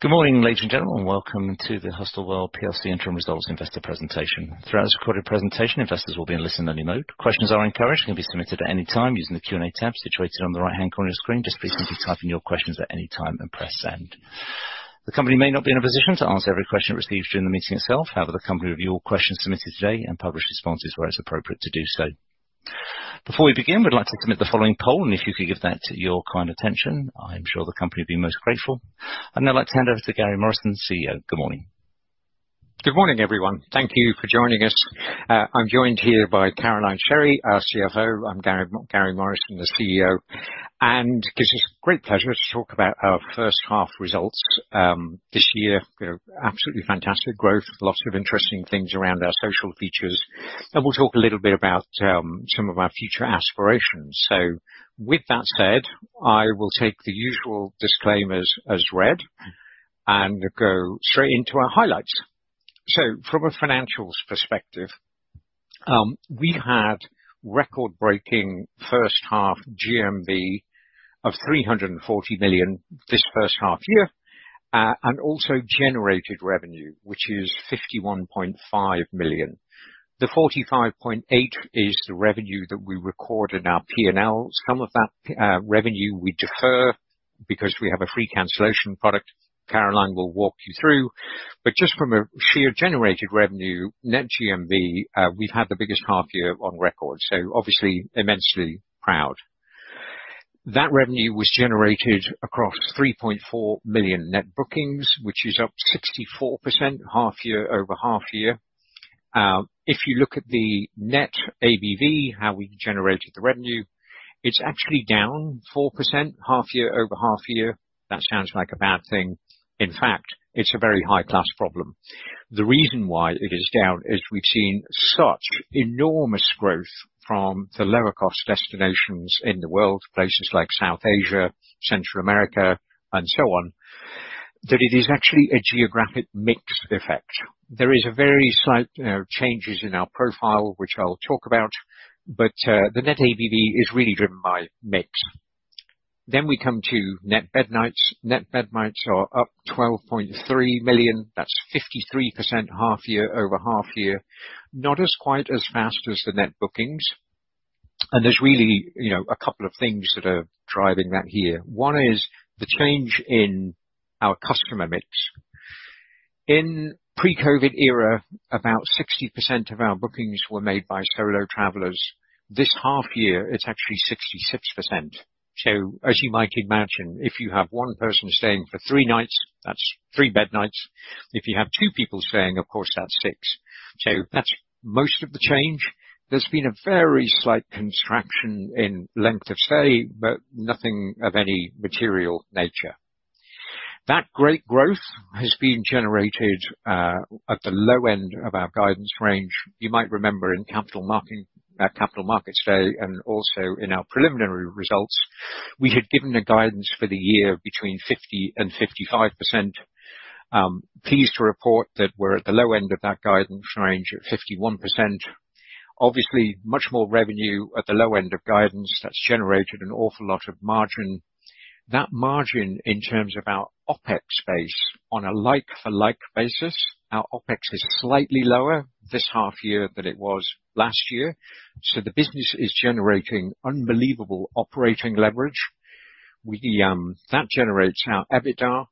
Good morning, ladies and gentlemen, and welcome to the Hostelworld PLC Interim Results Investor Presentation. Throughout this recorded presentation, investors will be in listen-only mode. Questions are encouraged and can be submitted at any time using the Q&A tab situated on the right-hand corner of your screen. Please simply type in your questions at any time and press Send. The company may not be in a position to answer every question it receives during the meeting itself. The company review all questions submitted today and publish responses where it's appropriate to do so. Before we begin, we'd like to commit the following poll, and if you could give that your kind attention, I'm sure the company will be most grateful. I'd now like to hand over to Gary Morrison, CEO. Good morning. Good morning, everyone. Thank you for joining us. I'm joined here by Caroline Sherry, our CFO. I'm Gary Morrison, the CEO, gives us great pleasure to talk about our first half results this year. You know, absolutely fantastic growth, lots of interesting things around our social features, we'll talk a little bit about some of our future aspirations. With that said, I will take the usual disclaimers as read and go straight into our highlights. From a financials perspective, we had record-breaking first half GMV of 340 million this first half year, and also generated revenue, which is 51.5 million. The 45.8 is the revenue that we record in our P&L. Some of that revenue we defer because we have a free cancellation product. Caroline will walk you through. Just from a sheer generated revenue, net GMV, we've had the biggest half year on record, so obviously immensely proud. That revenue was generated across 3.4 million net bookings, which is up 64%, half-year-over-half-year. If you look at the net ABV, how we generated the revenue, it's actually down 4%, half-year-over-half-year. That sounds like a bad thing. In fact, it's a very high-class problem. The reason why it is down is we've seen such enormous growth from the lower-cost destinations in the world, places like South Asia, Central America, and so on, that it is actually a geographic mix effect. There is a very slight changes in our profile, which I'll talk about, but the net ABV is really driven by mix. We come to net bed nights. Net bed nights are up 12.3 million. That's 53%, half-year over half-year. Not as quite as fast as the net bookings, there's really, you know, a couple of things that are driving that here. One is the change in our customer mix. In pre-COVID era, about 60% of our bookings were made by solo travelers. This half-year, it's actually 66%. As you might imagine, if you have 1 person staying for 3 nights, that's 3 bed nights. If you have 2 people staying, of course, that's 6. That's most of the change. There's been a very slight contraction in length of stay, but nothing of any material nature. That great growth has been generated at the low end of our guidance range. You might remember in Capital Markets Day, and also in our preliminary results, we had given a guidance for the year between 50% and 55%. Pleased to report that we're at the low end of that guidance range of 51%. Obviously, much more revenue at the low end of guidance. That's generated an awful lot of margin. That margin, in terms of our OpEx base, on a like-for-like basis, our OpEx is slightly lower this half year than it was last year. The business is generating unbelievable operating leverage. We. That generates our EBITDA.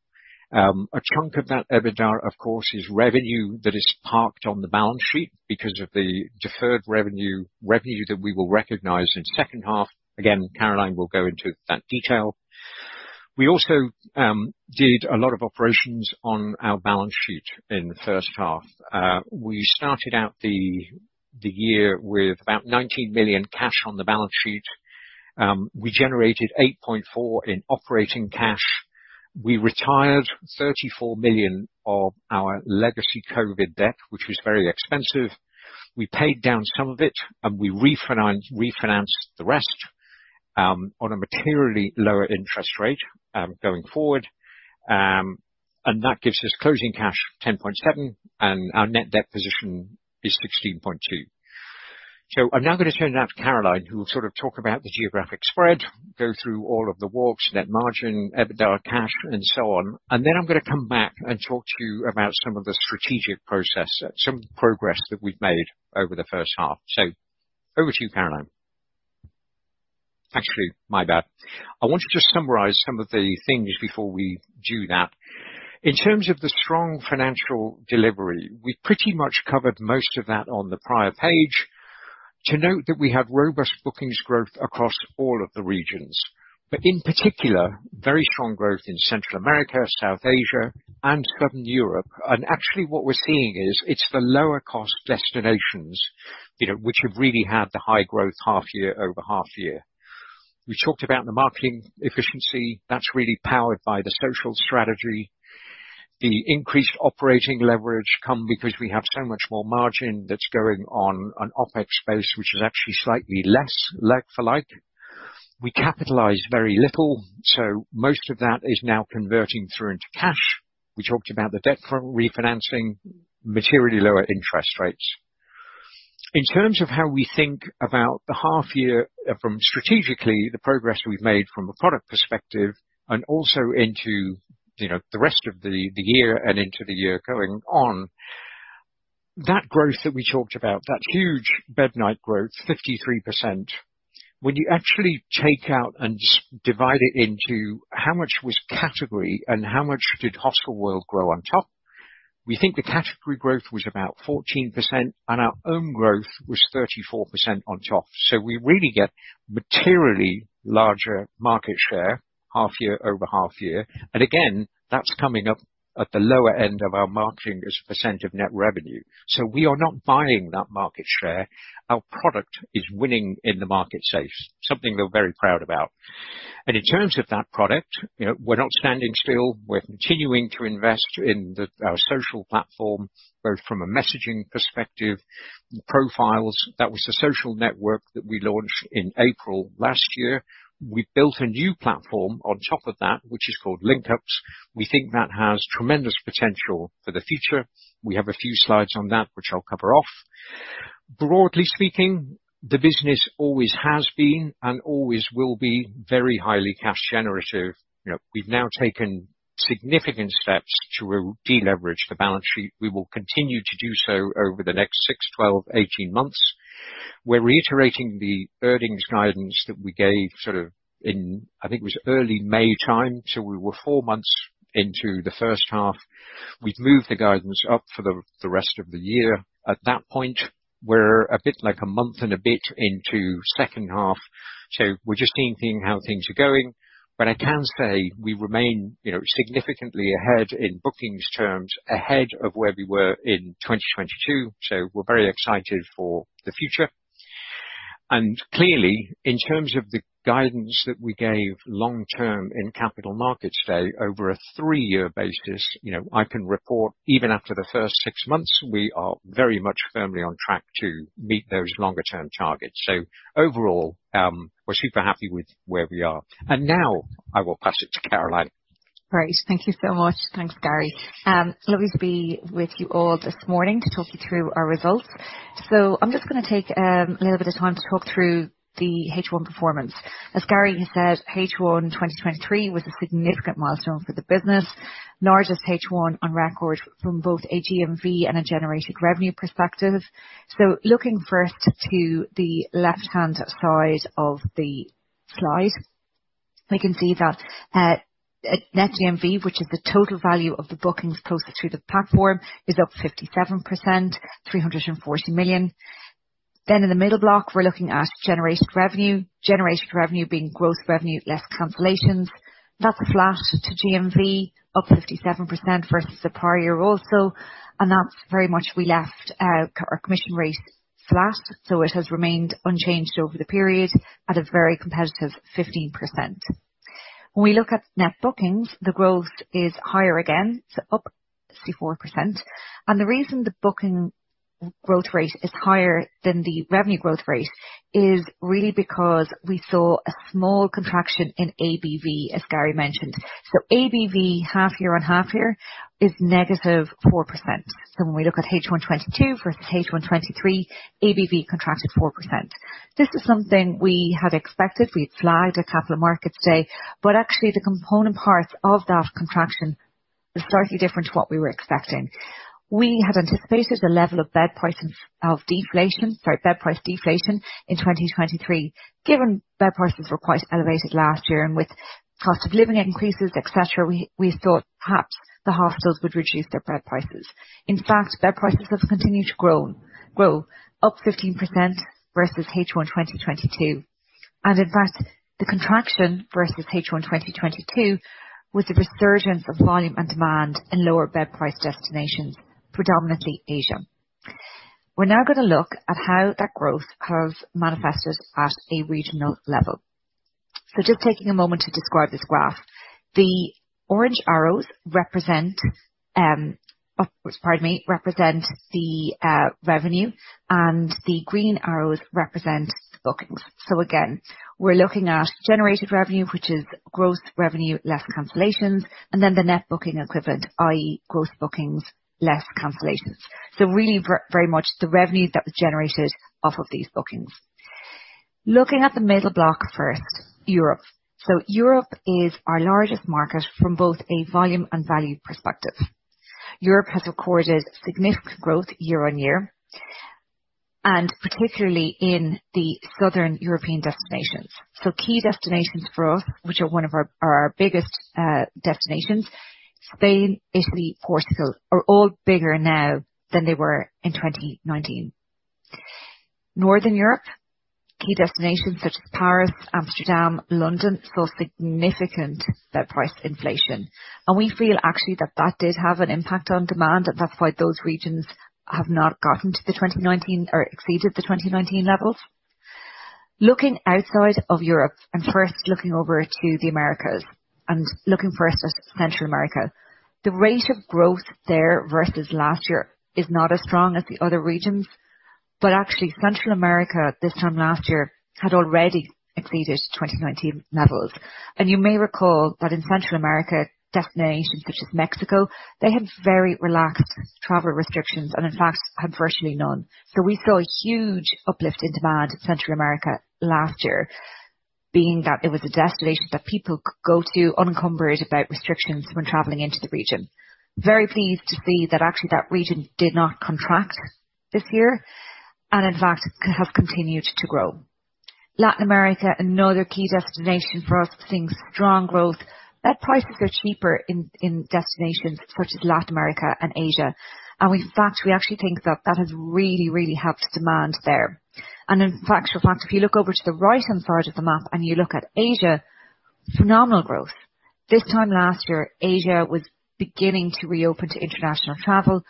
A chunk of that EBITDA, of course, is revenue that is parked on the balance sheet because of the deferred revenue, revenue that we will recognize in second half. Again, Caroline will go into that detail. We also did a lot of operations on our balance sheet in the first half. We started out the year with about 19 million cash on the balance sheet. We generated 8.4 in operating cash. We retired 34 million of our legacy COVID debt, which was very expensive. We paid down some of it, we refinanced the rest on a materially lower interest rate going forward. That gives us closing cash 10.7, our net debt position is 16.2. I'm now going to turn it over to Caroline, who will sort of talk about the geographic spread, go through all of the walks, net margin, EBITDA cash, and so on. Then I'm going to come back and talk to you about some of the strategic process, some progress that we've made over the first half. Over to you, Caroline. Actually, my bad. I want to just summarize some of the things before we do that. In terms of the strong financial delivery, we pretty much covered most of that on the prior page. To note that we have robust bookings growth across all of the regions, but in particular, very strong growth in Central America, South Asia, and Southern Europe. Actually, what we're seeing is it's the lower-cost destinations, you know, which have really had the high growth half-year over half-year. We talked about the marketing efficiency. That's really powered by the social strategy. The increased operating leverage come because we have so much more margin that's going on an OpEx base, which is actually slightly less like-for-like. We capitalize very little, so most of that is now converting through into cash. We talked about the debt front refinancing, materially lower interest rates. In terms of how we think about the half year from strategically, the progress we've made from a product perspective, and also into, you know, the rest of the, the year and into the year going on, that growth that we talked about, that huge bed night growth, 53%. When you actually take out and divide it into how much was category and how much did Hostelworld grow on top, we think the category growth was about 14%, and our own growth was 34% on top. We really get materially larger market share, half year over half year. Again, that's coming up at the lower end of our marketing as a percent of net revenue. We are not buying that market share. Our product is winning in the market space, something we're very proud about. In terms of that product, you know, we're not standing still. We're continuing to invest in our social platform, both from a messaging perspective, profiles. That was the social network that we launched in April last year. We built a new platform on top of that, which is called Linkups. We think that has tremendous potential for the future. We have a few slides on that, which I'll cover off. Broadly speaking, the business always has been, and always will be, very highly cash generative. You know, we've now taken significant steps to re- deleverage the balance sheet. We will continue to do so over the next six, 12, 18 months. We're reiterating the earnings guidance that we gave, sort of, in, I think it was early May time, so we were four months into the first half. We've moved the guidance up for the, the rest of the year. At that point, we're a bit, like, a month and a bit into second half, so we're just seeing, seeing how things are going. I can say we remain, you know, significantly ahead in bookings terms, ahead of where we were in 2022. We're very excited for the future. Clearly, in terms of the guidance that we gave long-term in Capital Markets Day, over a three-year basis, you know, I can report, even after the first six months, we are very much firmly on track to meet those longer term targets. Overall, we're super happy with where we are. Now I will pass it to Caroline. Great. Thank you so much. Thanks, Gary. lovely to be with you all this morning to talk you through our results. I'm just gonna take a little bit of time to talk through the H1 performance. As Gary has said, H1 2023 was a significant milestone for the business. Largest H1 on record from both a GMV and a generated revenue perspective. Looking first to the left-hand side of the slide, we can see that net GMV, which is the total value of the bookings posted through the platform, is up 57%, $340 million. In the middle block, we're looking at generated revenue. Generated revenue being gross revenue, less cancellations. That's flat to GMV, up 57% versus the prior year also, and that's very much we left our commission rates flat, so it has remained unchanged over the period at a very competitive 15%. When we look at net bookings, the growth is higher again, up 54%. The reason the booking growth rate is higher than the revenue growth rate is really because we saw a small contraction in ABV, as Gary mentioned. ABV, half year on half year, is negative 4%. When we look at H1 2022 versus H1 2023, ABV contracted 4%. This is something we had expected. We'd flagged at Capital Markets Day, actually the component parts of that contraction is slightly different to what we were expecting. We had anticipated the level of bed price of deflation, sorry, bed price deflation in 2023. Given bed prices were quite elevated last year, and with cost of living increases, et cetera, we thought perhaps the hostels would reduce their bed prices. In fact, bed prices have continued to grow, grow, up 15% versus H1 2022. In fact, the contraction versus H1 2022 was a resurgence of volume and demand in lower bed price destinations, predominantly Asia. We're now gonna look at how that growth has manifested at a regional level. Just taking a moment to describe this graph. The orange arrows represent, pardon me, represent the revenue, and the green arrows represent bookings. Again, we're looking at generated revenue, which is gross revenue, less cancellations, and then the net booking equivalent, i.e., gross bookings, less cancellations. Really very much the revenue that was generated off of these bookings. Looking at the middle block first, Europe. Europe is our largest market from both a volume and value perspective. Europe has recorded significant growth year-on-year, and particularly in the Southern European destinations. Key destinations for us, which are our biggest destinations, Spain, Italy, Portugal, are all bigger now than they were in 2019. Northern Europe, key destinations such as Paris, Amsterdam, London, saw significant bed price inflation. We feel actually that that did have an impact on demand, and that's why those regions have not gotten to the 2019 or exceeded the 2019 levels. Looking outside of Europe, and first looking over to the Americas, and looking first at Central America. The rate of growth there versus last year is not as strong as the other regions. Actually, Central America, this time last year, had already exceeded 2019 levels. You may recall that in Central America, destinations such as Mexico, they had very relaxed travel restrictions and in fact, had virtually none. We saw a huge uplift in demand in Central America last year, being that it was a destination that people could go to unencumbered about restrictions when traveling into the region. Very pleased to see that actually that region did not contract this year, and in fact, have continued to grow. Latin America, another key destination for us, seeing strong growth. Air prices are cheaper in destinations such as Latin America and Asia. In fact, we actually think that that has really, really helped demand there. In fact, if you look over to the right-hand side of the map, and you look at Asia, phenomenal growth. This time last year, Asia was beginning to reopen to international travel.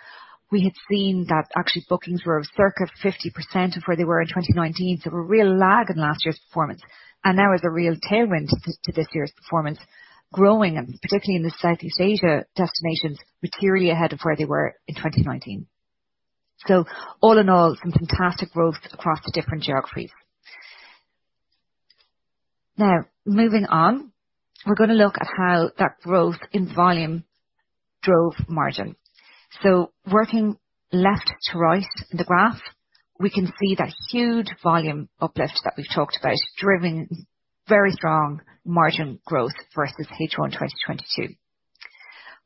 We had seen that actually, bookings were of circa 50% of where they were in 2019, so a real lag in last year's performance. Now, there's a real tailwind to this year's performance, growing, and particularly in the Southeast Asia destinations, materially ahead of where they were in 2019. All in all, some fantastic growth across the different geographies. Moving on, we're going to look at how that growth in volume drove margin. Working left to right in the graph, we can see that huge volume uplift that we've talked about, driving very strong margin growth versus H1 2022.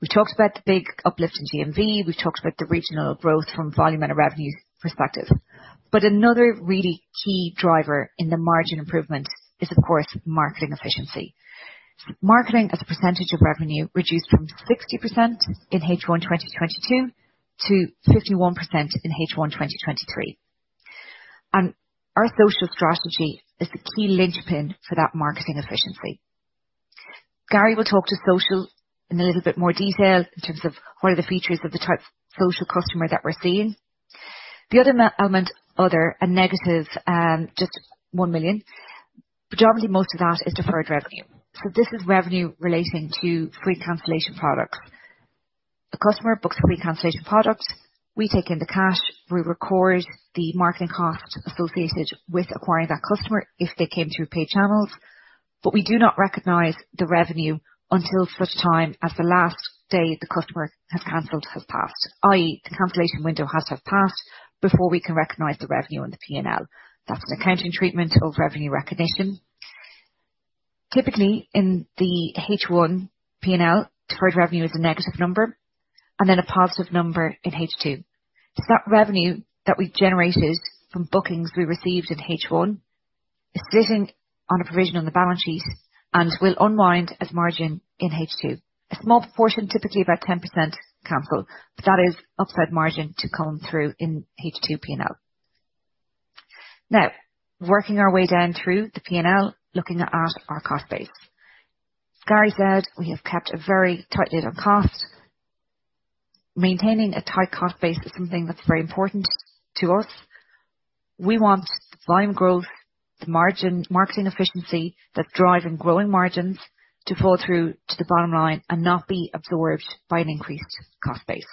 We talked about the big uplift in GMV. We've talked about the regional growth from volume and a revenue perspective. Another really key driver in the margin improvement is, of course, marketing efficiency. Marketing, as a percentage of revenue, reduced from 60% in H1 2022 to 51% in H1 2023. Our social strategy is the key linchpin for that marketing efficiency. Gary will talk to social in a little bit more detail in terms of what are the features of the type of social customer that we're seeing. The other element, other, a negative, just 1 million. Predominantly, most of that is deferred revenue. This is revenue relating to free cancellation products. A customer books free cancellation products, we take in the cash, we record the marketing cost associated with acquiring that customer if they came through paid channels. We do not recognize the revenue until such time as the last day the customer has canceled, has passed, i.e., the cancellation window has to have passed before we can recognize the revenue in the P&L. That's an accounting treatment of revenue recognition. Typically, in the H1 P&L, deferred revenue is a negative number, and then a positive number in H2. That revenue that we've generated from bookings we received in H1 is sitting on a provision on the balance sheet and will unwind as margin in H2. A small portion, typically about 10%, cancel, but that is upside margin to come through in H2 P&L. Working our way down through the P&L, looking at our cost base. Gary said we have kept a very tight lid on cost. Maintaining a tight cost base is something that's very important to us. We want the volume growth, the marketing efficiency, that drive in growing margins to fall through to the bottom line and not be absorbed by an increased cost base.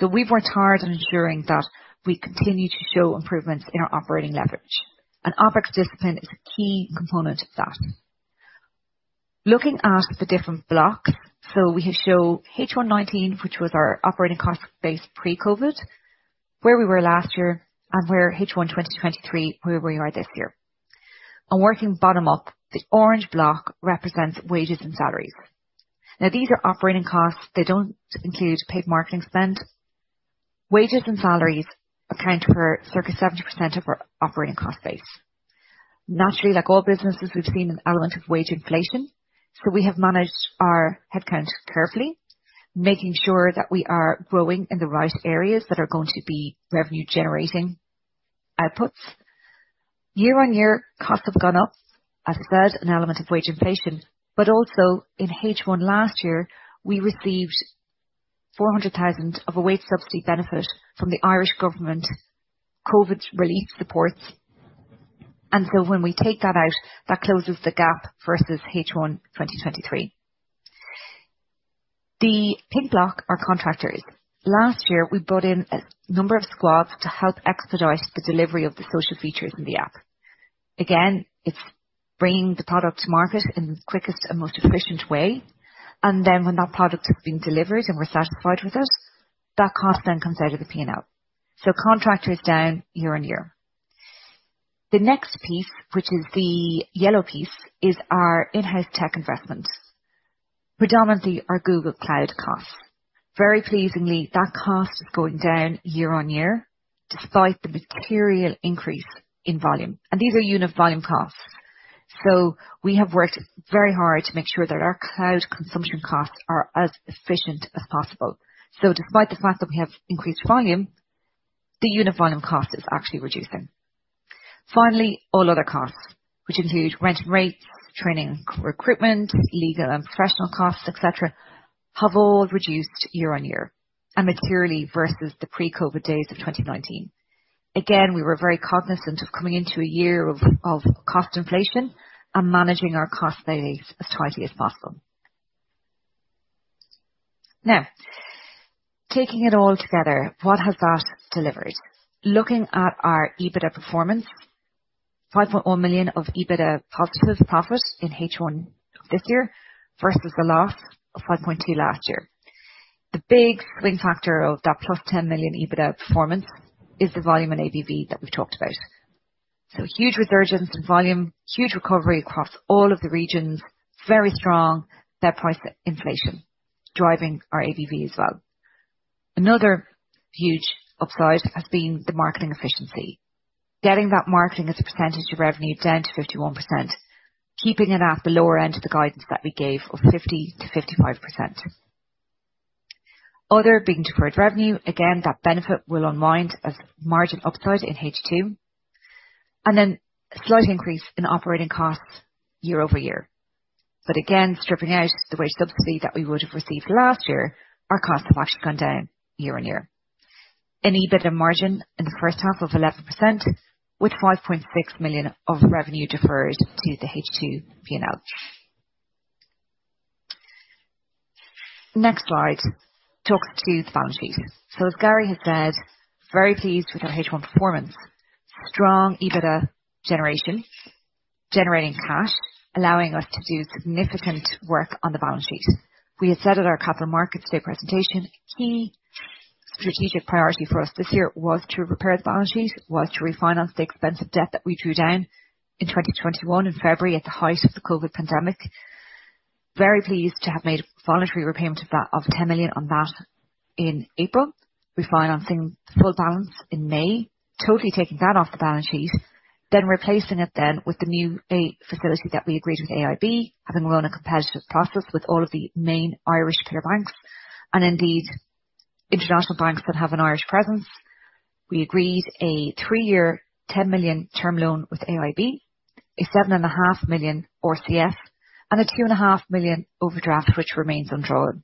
We've worked hard on ensuring that we continue to show improvements in our operating leverage, and OpEx discipline is a key component of that. Looking at the different blocks, we show H1 2019, which was our operating cost base pre-COVID, where we were last year, and where H1 2023, where we are this year. Working bottom up, the orange block represents wages and salaries. Now, these are operating costs. They don't include paid marketing spend. Wages and salaries account for circa 70% of our operating cost base. Naturally, like all businesses, we've seen an element of wage inflation, so we have managed our headcount carefully, making sure that we are growing in the right areas that are going to be revenue-generating outputs. Year-over-year, costs have gone up, as said, an element of wage inflation, but also in H1 last year, we received 400,000 of a wage subsidy benefit from the Government of Ireland COVID relief supports. So when we take that out, that closes the gap versus H1 2023. The pink block are contractors. Last year, we brought in a number of squads to help expedite the delivery of the social features in the app. Again, it's bringing the product to market in the quickest and most efficient way, and then when that product has been delivered and we're satisfied with it, that cost then comes out of the P&L. Contractors down year-on-year. The next piece, which is the yellow piece, is our in-house tech investments, predominantly our Google Cloud costs. Very pleasingly, that cost is going down year-on-year, despite the material increase in volume. These are unit volume costs. We have worked very hard to make sure that our cloud consumption costs are as efficient as possible. Despite the fact that we have increased volume, the unit volume cost is actually reducing. Finally, all other costs, which include rent and rates, training, recruitment, legal and professional costs, et cetera, have all reduced year-on-year, and materially versus the pre-COVID days of 2019. Again, we were very cognizant of coming into a year of cost inflation and managing our cost base as tightly as possible. Taking it all together, what has that delivered? Looking at our EBITDA performance, 5.1 million of EBITDA positive profit in H1 this year versus a loss of 5.2 last year. The big swing factor of that plus 10 million EBITDA performance is the volume in ABV that we've talked about. Huge resurgence in volume, huge recovery across all of the regions, very strong net price inflation, driving our ABV as well. Another huge upside has been the marketing efficiency. Getting that marketing as a percentage of revenue down to 51%, keeping it at the lower end of the guidance that we gave of 50%-55%. Other being deferred revenue. Again, that benefit will unwind as margin upside in H2, and then a slight increase in operating costs year-over-year. Again, stripping out the wage subsidy that we would have received last year, our costs have actually gone down year-on-year. An EBITDA margin in the first half of 11%, with 5.6 million of revenue deferred to the H2 P&L. Next slide talks to the balance sheet. As Gary has said, very pleased with our H1 performance. Strong EBITDA generation, generating cash, allowing us to do significant work on the balance sheet. We had said at our Capital Markets Day presentation, key strategic priority for us this year was to repair the balance sheet, was to refinance the expensive debt that we drew down in 2021, in February, at the height of the COVID pandemic. Very pleased to have made a voluntary repayment to that of 10 million on that in April. Refinancing the full balance in May, totally taking that off the balance sheet, then replacing it then with the new facility that we agreed with AIB, having won a competitive process with all of the main Irish pillar banks, and indeed, international banks that have an Irish presence. We agreed a 3-year, 10 million term loan with AIB, a 7.5 million RCF, and a 2.5 million overdraft, which remains undrawn.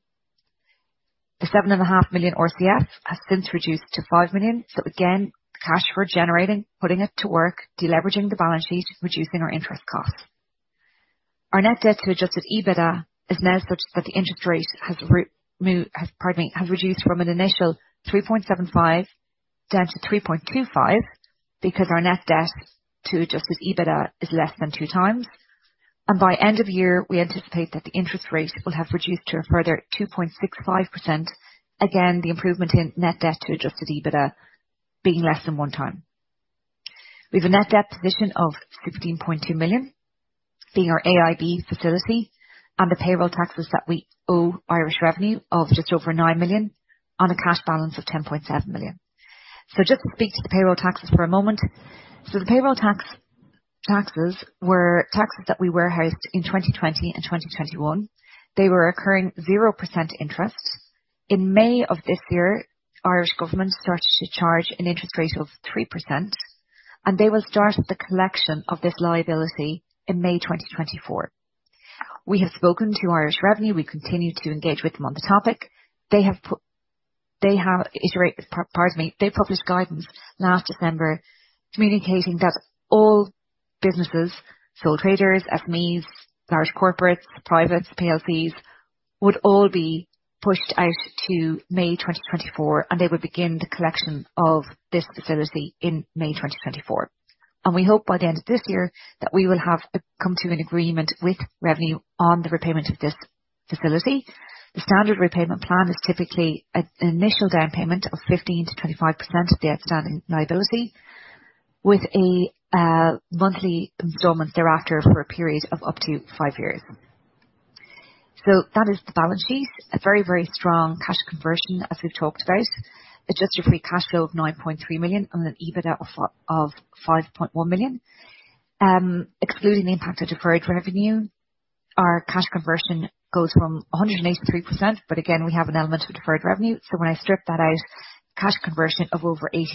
The 7.5 million RCF has since reduced to 5 million. Again, cash we're generating, putting it to work, de-leveraging the balance sheet, reducing our interest costs. Our net debt to adjusted EBITDA is now such that the interest rate has reduced from an initial 3.75 down to 3.25, because our net debt to adjusted EBITDA is less than 2 times. By end of year, we anticipate that the interest rate will have reduced to a further 2.65%. Again, the improvement in net debt to adjusted EBITDA being less than 1 time. We have a net debt position of 16.2 million, being our AIB facility, and the payroll taxes that we owe Revenue Commissioners of just over 9 million, on a cash balance of 10.7 million. Just to speak to the payroll taxes for a moment. The payroll taxes were taxes that we warehoused in 2020 and 2021. They were occurring 0% interest. In May of this year, Government of Ireland started to charge an interest rate of 3%, and they will start the collection of this liability in May 2024. We have spoken to Revenue Commissioners. We continue to engage with them on the topic. They published guidance last December, communicating that all businesses, sole traders, SMEs, large corporates, privates, PLCs, would all be pushed out to May 2024, and they would begin the collection of this facility in May 2024. We hope by the end of this year, that we will have come to an agreement with Revenue on the repayment of this facility. The standard repayment plan is typically an initial down payment of 15%-25% of the outstanding liability, with a monthly installment thereafter for a period of up to five years. That is the balance sheet. A very, very strong cash conversion, as we've talked about. Adjust your free cash flow of 9.3 million on an EBITDA of 5.1 million. Excluding the impact of deferred revenue, our cash conversion goes from 183%, but again, we have an element of deferred revenue. When I strip that out, cash conversion of over 80%.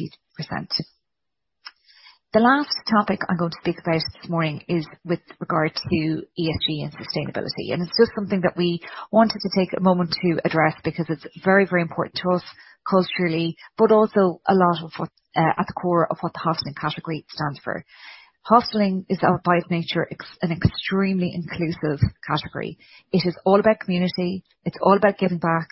The last topic I'm going to speak about this morning is with regard to ESG and sustainability. It's just something that we wanted to take a moment to address, because it's very, very important to us culturally, but also a lot of what, at the core of what the hostelling category stands for. Hostelling is, by its nature, an extremely inclusive category. It is all about community. It's all about giving back.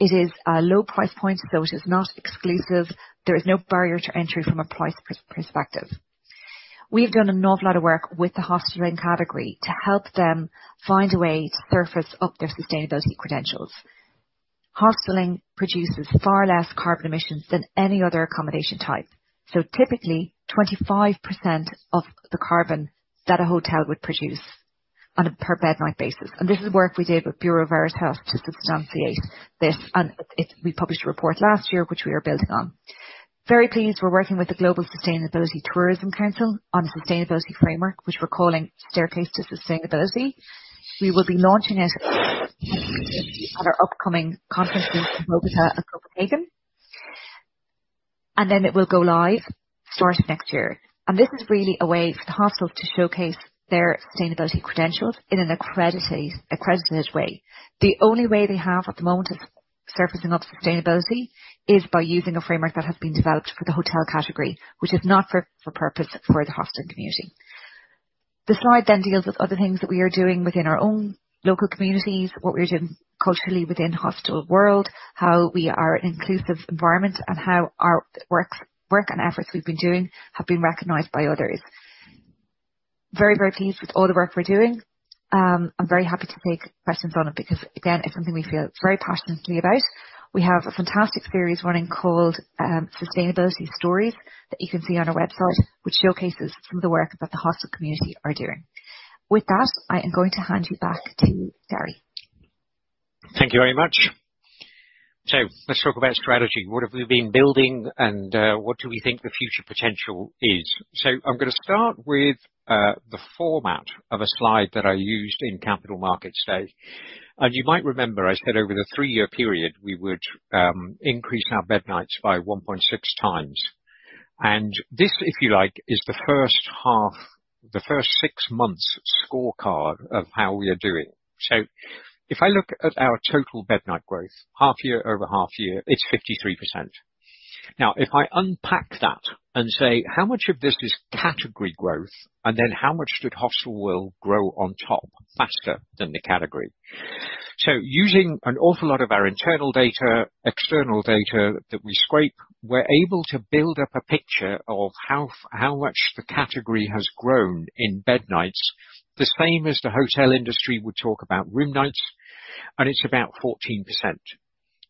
It is a low price point, so it is not exclusive. There is no barrier to entry from a price perspective. We've done an awful lot of work with the hostelling category to help them find a way to surface up their sustainability credentials. Hostelling produces far less carbon emissions than any other accommodation type. Typically, 25% of the carbon that a hotel would produce on a per bed night basis. This is work we did with Bureau Veritas to substantiate this, and we published a report last year, which we are building on. Very pleased, we're working with the Global Sustainable Tourism Council on a sustainability framework, which we're calling Staircase to Sustainability. We will be launching it at our upcoming conference in mid-October at Copenhagen, and then it will go live start of next year. This is really a way for the hostels to showcase their sustainability credentials in an accredited, accredited way. The only way they have at the moment of surfacing up sustainability is by using a framework that has been developed for the hotel category, which is not fit for purpose for the hostelling community. The slide deals with other things that we are doing within our own local communities, what we're doing culturally within the Hostelworld, how we are an inclusive environment, and how our work and efforts we've been doing have been recognized by others. Very, very pleased with all the work we're doing. I'm very happy to take questions on it because, again, it's something we feel very passionately about. We have a fantastic series running called, Sustainability Stories, that you can see on our website, which showcases some of the work that the hostel community are doing. With that, I am going to hand you back to Gary. Thank you very much. Let's talk about strategy. What have we been building, and what do we think the future potential is? I'm gonna start with the format of a slide that I used in Capital Markets Day. You might remember, I said over the three-year period, we would increase our bed nights by 1.6 times. This, if you like, is the first half, the first six months scorecard of how we are doing. If I look at our total bed night growth, half-year-over-half-year, it's 53%. Now, if I unpack that and say: How much of this is category growth? Then how much did Hostelworld grow on top faster than the category? Using an awful lot of our internal data, external data that we scrape, we're able to build up a picture of how, how much the category has grown in bed nights, the same as the hotel industry would talk about room nights, and it's about 14%.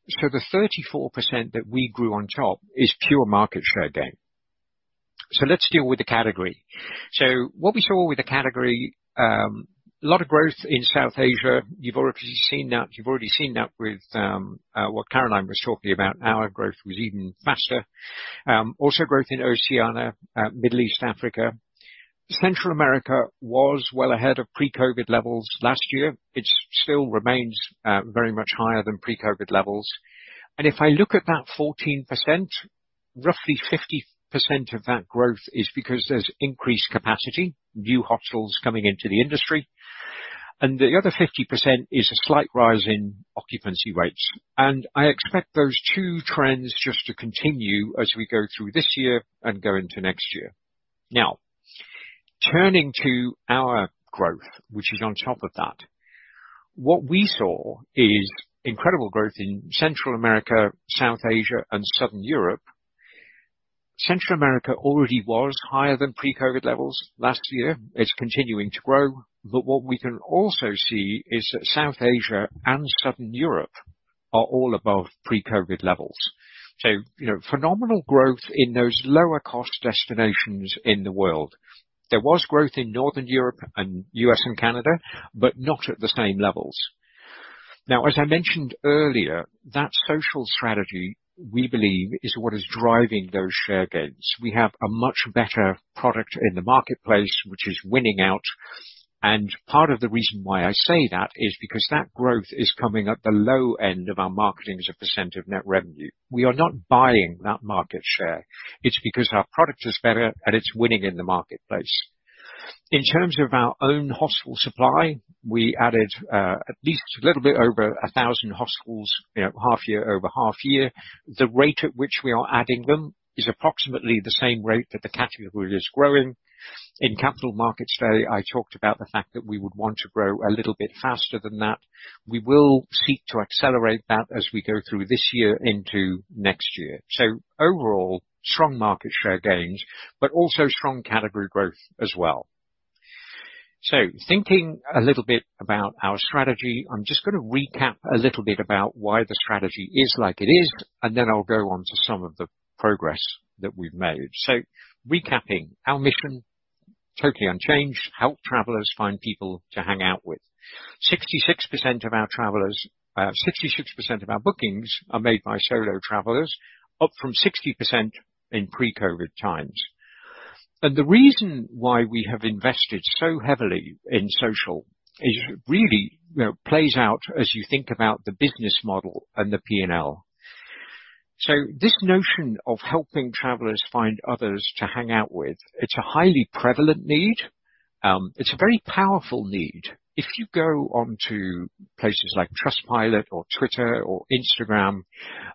The 34% that we grew on top is pure market share gain. Let's deal with the category. What we saw with the category, a lot of growth in South Asia. You've already seen that, you've already seen that with what Caroline was talking about. Our growth was even faster. Also growth in Oceania, Middle East, Africa. Central America was well ahead of pre-COVID levels last year. It still remains very much higher than pre-COVID levels. If I look at that 14%, roughly 50% of that growth is because there's increased capacity, new hostels coming into the industry, and the other 50% is a slight rise in occupancy rates. I expect those two trends just to continue as we go through this year and go into next year. Turning to our growth, which is on top of that. What we saw is incredible growth in Central America, South Asia and Southern Europe. Central America already was higher than pre-COVID levels last year. It's continuing to grow, but what we can also see is that South Asia and Southern Europe are all above pre-COVID levels. You know, phenomenal growth in those lower-cost destinations in the world. There was growth in Northern Europe and U.S. and Canada, but not at the same levels. Now, as I mentioned earlier, that social strategy, we believe, is what is driving those share gains. We have a much better product in the marketplace, which is winning out, and part of the reason why I say that is because that growth is coming at the low end of our marketing as a percent of net revenue. We are not buying that market share. It's because our product is better, and it's winning in the marketplace. In terms of our own hostel supply, we added, at least a little bit over 1,000 hostels, you know, half-year, over half-year. The rate at which we are adding them is approximately the same rate that the category is growing. In Capital Markets Day, I talked about the fact that we would want to grow a little bit faster than that. We will seek to accelerate that as we go through this year into next year. Overall, strong market share gains, but also strong category growth as well. Thinking a little bit about our strategy, I'm just gonna recap a little bit about why the strategy is like it is, and then I'll go on to some of the progress that we've made. Recapping, our mission, totally unchanged: Help travelers find people to hang out with. 66% of our travelers, 66% of our bookings are made by solo travelers, up from 60% in pre-COVID times. The reason why we have invested so heavily in social is really, you know, plays out as you think about the business model and the P&L. This notion of helping travelers find others to hang out with, it's a highly prevalent need. It's a very powerful need. If you go onto places like Trustpilot or Twitter or Instagram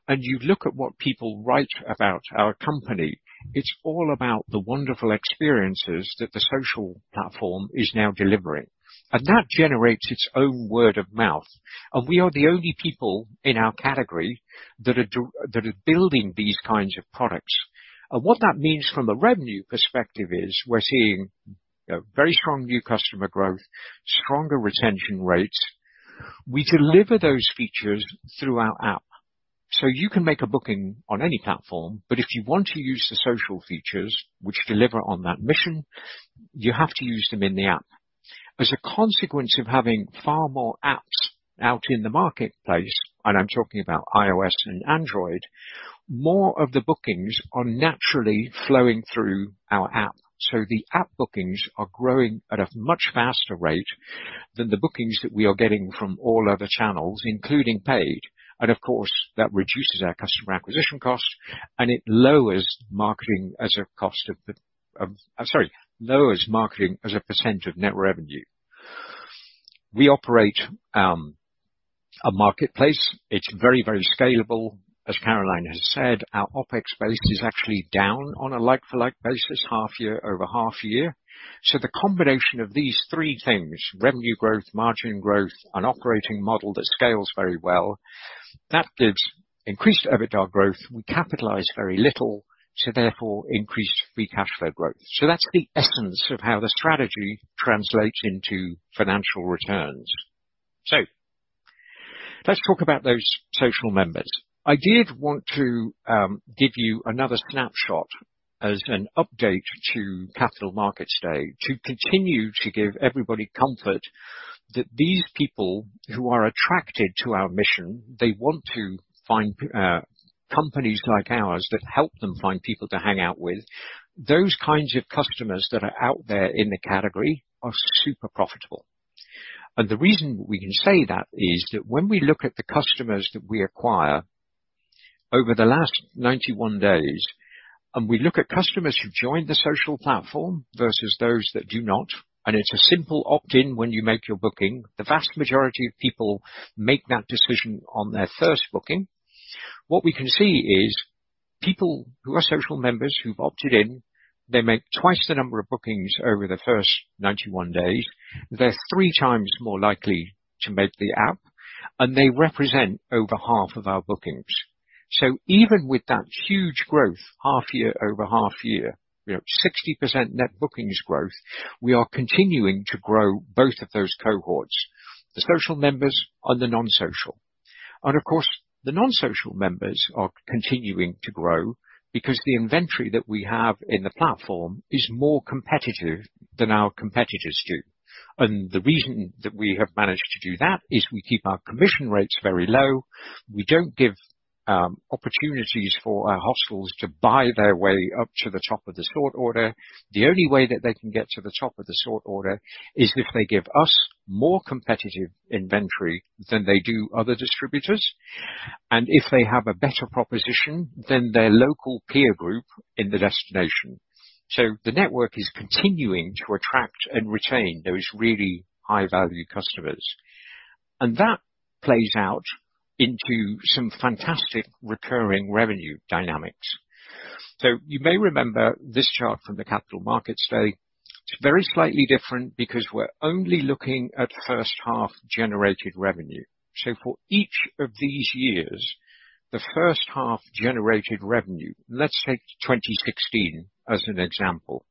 and you look at what people write about our company, it's all about the wonderful experiences that the social platform is now delivering, and that generates its own word of mouth. We are the only people in our category that are building these kinds of products. What that means from a revenue perspective is we're seeing very strong new customer growth, stronger retention rates. We deliver those features through our app, so you can make a booking on any platform, but if you want to use the social features which deliver on that mission, you have to use them in the app. As a consequence of having far more apps out in the marketplace, and I'm talking about iOS and Android, more of the bookings are naturally flowing through our app. The app bookings are growing at a much faster rate than the bookings that we are getting from all other channels, including paid. Of course, that reduces our customer acquisition costs, and it lowers marketing as a cost of the, I'm sorry, lowers marketing as a percent of net revenue. We operate a marketplace. It's very, very scalable. As Caroline has said, our OpEx base is actually down on a like-for-like basis, half year, over half year. The combination of these three things, revenue growth, margin growth, and operating model that scales very well. That gives increased EBITDA growth. We capitalize very little, so therefore increased free cash flow growth. That's the essence of how the strategy translates into financial returns. Let's talk about those social members. I did want to give you another snapshot as an update to Capital Markets Day, to continue to give everybody comfort that these people who are attracted to our mission, they want to find companies like ours that help them find people to hang out with. Those kinds of customers that are out there in the category are super profitable. The reason we can say that is that when we look at the customers that we acquire over the last 91 days, and we look at customers who've joined the social platform versus those that do not, and it's a simple opt-in when you make your booking, the vast majority of people make that decision on their first booking. What we can see is people who are social members, who've opted in, they make 2x the number of bookings over the first 91 days. They're 3x more likely to make the app, and they represent over half of our bookings. Even with that huge growth, half-year over half-year, you know, 60% net bookings growth, we are continuing to grow both of those cohorts, the social members and the non-social. Of course, the non-social members are continuing to grow because the inventory that we have in the platform is more competitive than our competitors do. The reason that we have managed to do that is we keep our commission rates very low. We don't give opportunities for our hostels to buy their way up to the top of the sort order. The only way that they can get to the top of the sort order is if they give us more competitive inventory than they do other distributors, and if they have a better proposition than their local peer group in the destination. The network is continuing to attract and retain those really high-value customers, and that plays out into some fantastic recurring revenue dynamics. You may remember this chart from the Capital Markets Day. It's very slightly different because we're only looking at first half generated revenue. For each of these years, the first half generated revenue. Let's take 2016 as an example.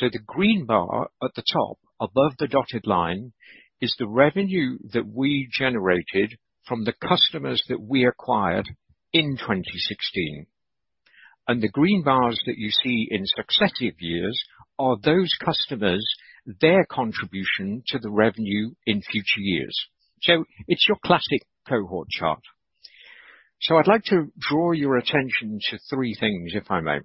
The green bar at the top, above the dotted line, is the revenue that we generated from the customers that we acquired in 2016. The green bars that you see in successive years are those customers, their contribution to the revenue in future years. It's your classic cohort chart. I'd like to draw your attention to 3 things, if I may.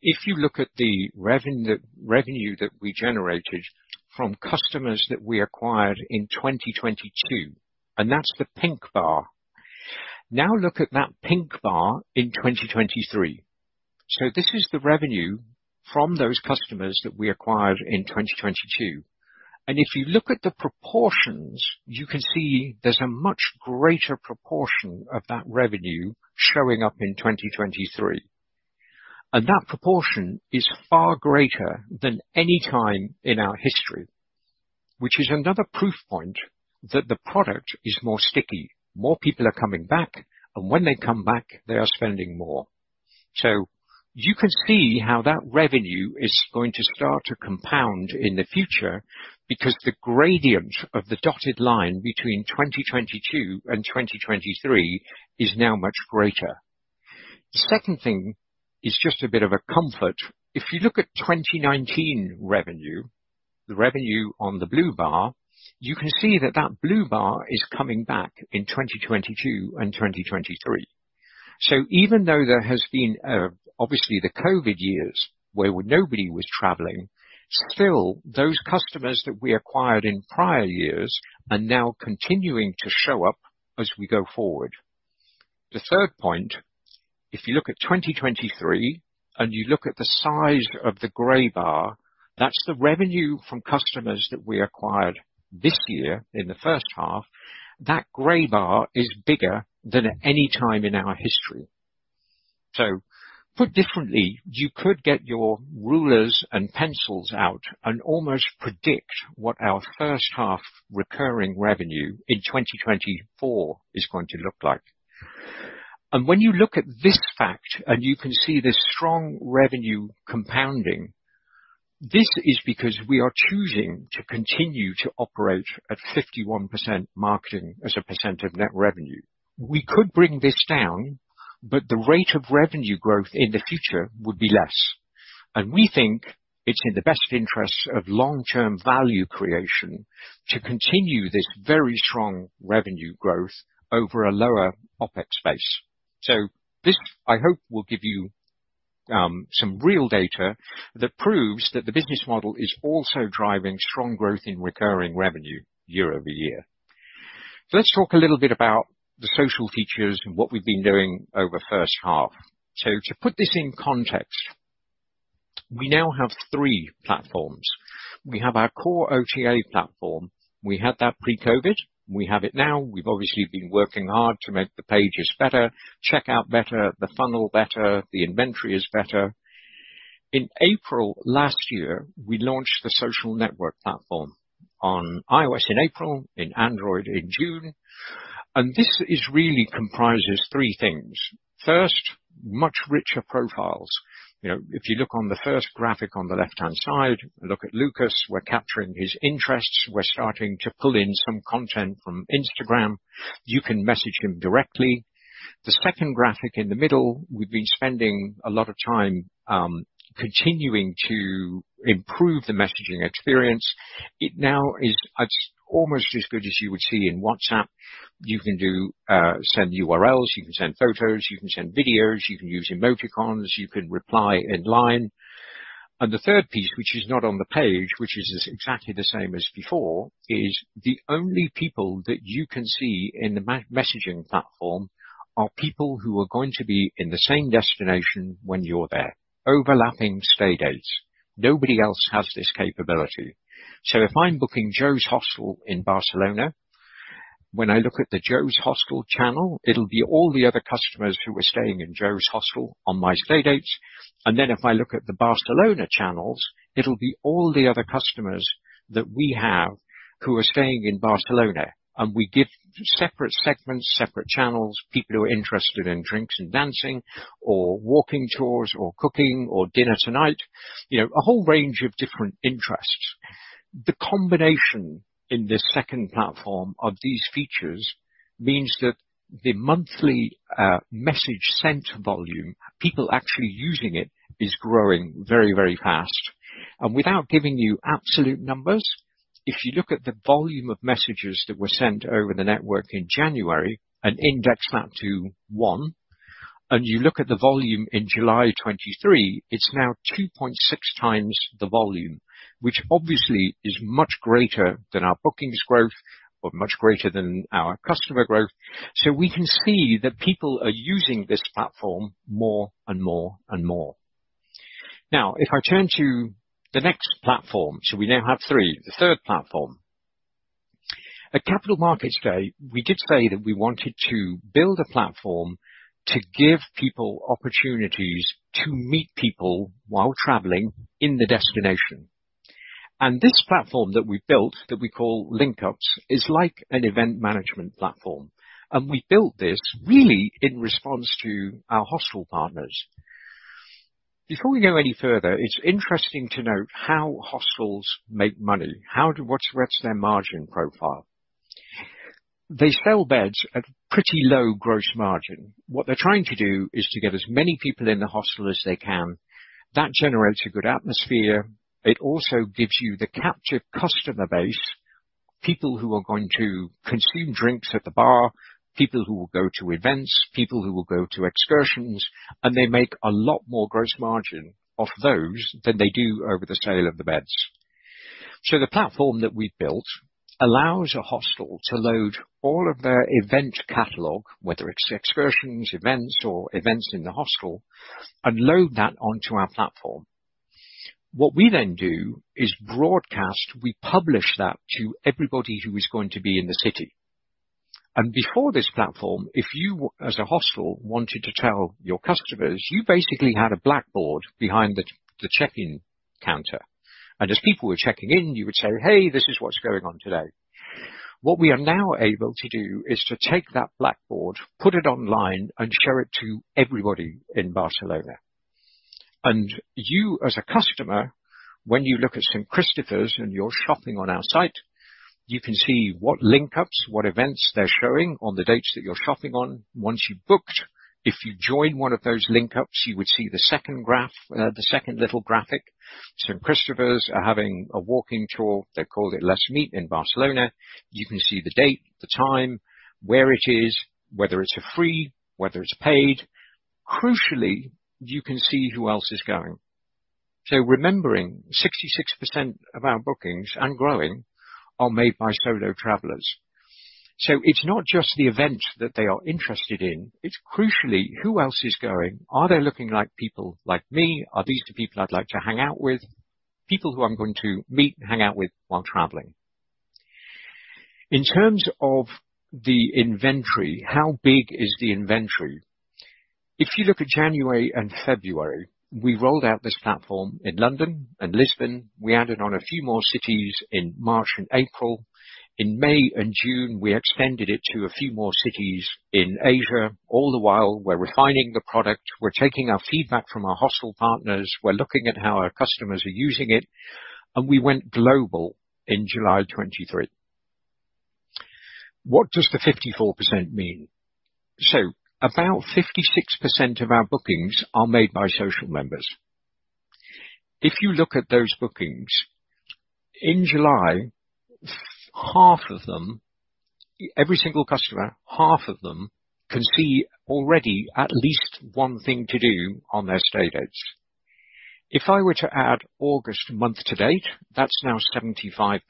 If you look at the revenue that we generated from customers that we acquired in 2022, and that's the pink bar. Now look at that pink bar in 2023. This is the revenue from those customers that we acquired in 2022. If you look at the proportions, you can see there's a much greater proportion of that revenue showing up in 2023. That proportion is far greater than any time in our history, which is another proof point that the product is more sticky. More people are coming back, and when they come back, they are spending more. You can see how that revenue is going to start to compound in the future, because the gradient of the dotted line between 2022 and 2023 is now much greater. The second thing is just a bit of a comfort. If you look at 2019 revenue, the revenue on the blue bar, you can see that, that blue bar is coming back in 2022 and 2023. Even though there has been, obviously the COVID years, where nobody was traveling, still, those customers that we acquired in prior years are now continuing to show up as we go forward. The third point, if you look at 2023, and you look at the size of the gray bar, that's the revenue from customers that we acquired this year in the first half. That gray bar is bigger than at any time in our history. Put differently, you could get your rulers and pencils out and almost predict what our first half recurring revenue in 2024 is going to look like. When you look at this fact, and you can see this strong revenue compounding, this is because we are choosing to continue to operate at 51% marketing as a percent of net revenue. We could bring this down, but the rate of revenue growth in the future would be less. We think it's in the best interest of long-term value creation to continue this very strong revenue growth over a lower OpEx base. This, I hope, will give you some real data that proves that the business model is also driving strong growth in recurring revenue year-over-year. Let's talk a little bit about the social features and what we've been doing over the first half. To put this in context, we now have three platforms. We have our core OTA platform. We had that pre-COVID, we have it now. We've obviously been working hard to make the pages better, checkout better, the funnel better, the inventory is better. In April last year, we launched the social network platform on iOS in April, in Android in June, this is really comprises three things. First, much richer profiles. You know, if you look on the first graphic on the left-hand side, look at Lucas, we're capturing his interests. We're starting to pull in some content from Instagram. You can message him directly. The second graphic in the middle, we've been spending a lot of time, continuing to improve the messaging experience. It now is almost as good as you would see in WhatsApp. You can do send URLs, you can send photos, you can send videos, you can use emoticons, you can reply in line. The third piece, which is not on the page, which is exactly the same as before, is the only people that you can see in the messaging platform are people who are going to be in the same destination when you're there. Overlapping stay dates. Nobody else has this capability. If I'm booking Joe's Hostel in Barcelona, when I look at the Joe's Hostel channel, it'll be all the other customers who are staying in Joe's Hostel on my stay dates. Then if I look at the Barcelona channels, it'll be all the other customers that we have who are staying in Barcelona, and we give separate segments, separate channels, people who are interested in drinks and dancing or walking tours or cooking or dinner tonight. You know, a whole range of different interests. The combination in this second platform of these features means that the monthly message sent volume, people actually using it, is growing very, very fast. Without giving you absolute numbers, if you look at the volume of messages that were sent over the network in January and index that to 1, and you look at the volume in July 2023, it's now 2.6 times the volume, which obviously is much greater than our bookings growth, or much greater than our customer growth. We can see that people are using this platform more and more and more. If I turn to the next platform, so we now have three, the third platform. At Capital Markets Day, we did say that we wanted to build a platform to give people opportunities to meet people while traveling in the destination. This platform that we've built, that we call Linkups, is like an event management platform. We built this really in response to our hostel partners. Before we go any further, it's interesting to note how hostels make money. What's the rest of their margin profile? They sell beds at pretty low gross margin. What they're trying to do is to get as many people in the hostel as they can. That generates a good atmosphere. It also gives you the captured customer base, people who are going to consume drinks at the bar, people who will go to events, people who will go to excursions, and they make a lot more gross margin off those than they do over the sale of the beds. The platform that we've built allows a hostel to load all of their event catalog, whether it's excursions, events, or events in the hostel, and load that onto our platform. What we then do is broadcast. We publish that to everybody who is going to be in the city. Before this platform, if you, as a hostel, wanted to tell your customers, you basically had a blackboard behind the, the check-in counter, and as people were checking in, you would say, "Hey, this is what's going on today." What we are now able to do is to take that blackboard, put it online, and show it to everybody in Barcelona. You, as a customer, when you look at St Christopher's and you're shopping on our site, you can see what Linkups, what events they're showing on the dates that you're shopping on. Once you've booked, if you join one of those Linkups, you would see the second graph, the second little graphic. St Christopher's are having a walking tour. They called it Let's Meet in Barcelona. You can see the date, the time, where it is, whether it's a free, whether it's paid. Crucially, you can see who else is going. Remembering 66% of our bookings and growing are made by solo travelers. It's not just the event that they are interested in, it's crucially, who else is going? Are they looking like people like me? Are these the people I'd like to hang out with? People who I'm going to meet and hang out with while traveling. In terms of the inventory, how big is the inventory? If you look at January and February, we rolled out this platform in London and Lisbon. We added on a few more cities in March and April. In May and June, we extended it to a few more cities in Asia. All the while, we're refining the product, we're taking our feedback from our hostel partners, we're looking at how our customers are using it, and we went global in July 2023. What does the 54% mean? About 56% of our bookings are made by social members. If you look at those bookings, in July, half of them, every single customer, half of them can see already at least one thing to do on their stay dates. If I were to add August month to date, that's now 75%.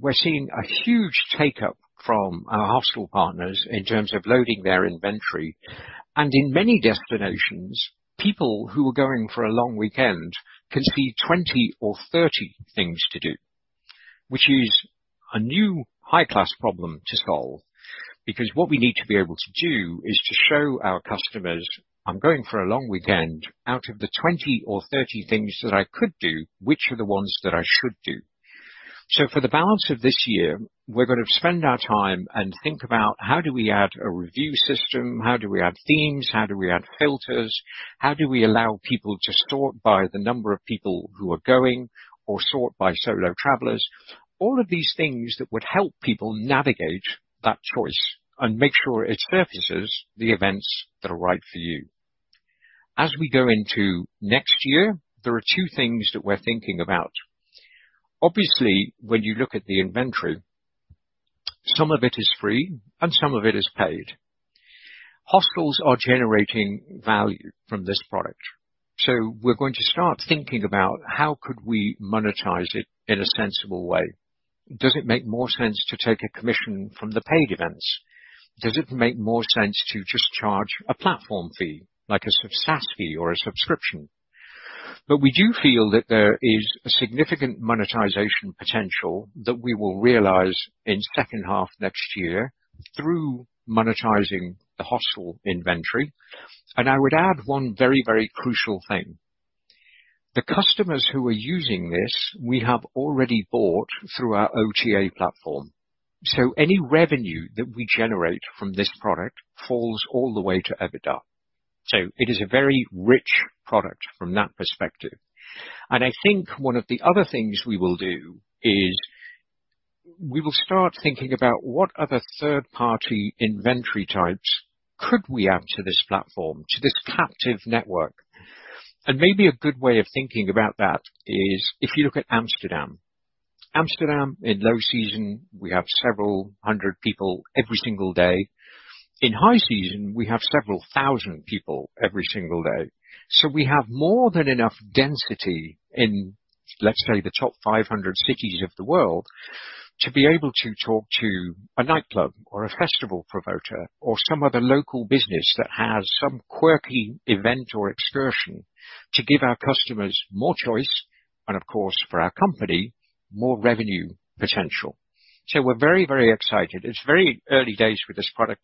We're seeing a huge take-up from our hostel partners in terms of loading their inventory. In many destinations, people who are going for a long weekend can see 20 or 30 things to do. Which is a new high-class problem to solve, because what we need to be able to do is to show our customers, "I'm going for a long weekend. Out of the 20 or 30 things that I could do, which are the ones that I should do? For the balance of this year, we're going to spend our time and think about: How do we add a review system? How do we add themes? How do we add filters? How do we allow people to sort by the number of people who are going or sort by solo travelers? All of these things that would help people navigate that choice and make sure it surfaces the events that are right for you. As we go into next year, there are 2 things that we're thinking about. Obviously, when you look at the inventory, some of it is free and some of it is paid. Hostels are generating value from this product, so we're going to start thinking about how could we monetize it in a sensible way. Does it make more sense to take a commission from the paid events? Does it make more sense to just charge a platform fee, like a SaaS fee or a subscription? We do feel that there is a significant monetization potential that we will realize in second half next year through monetizing the hostel inventory. I would add one very, very crucial thing. The customers who are using this, we have already bought through our OTA platform. Any revenue that we generate from this product falls all the way to EBITDA. It is a very rich product from that perspective. I think one of the other things we will do is we will start thinking about what other third-party inventory types could we add to this platform, to this captive network. Maybe a good way of thinking about that is if you look at Amsterdam. Amsterdam, in low season, we have several hundred people every single day. In high season, we have several thousand people every single day. We have more than enough density in, let's say, the top 500 cities of the world, to be able to talk to a nightclub or a festival promoter or some other local business that has some quirky event or excursion to give our customers more choice, and of course, for our company, more revenue potential. We're very, very excited. It's very early days for this product.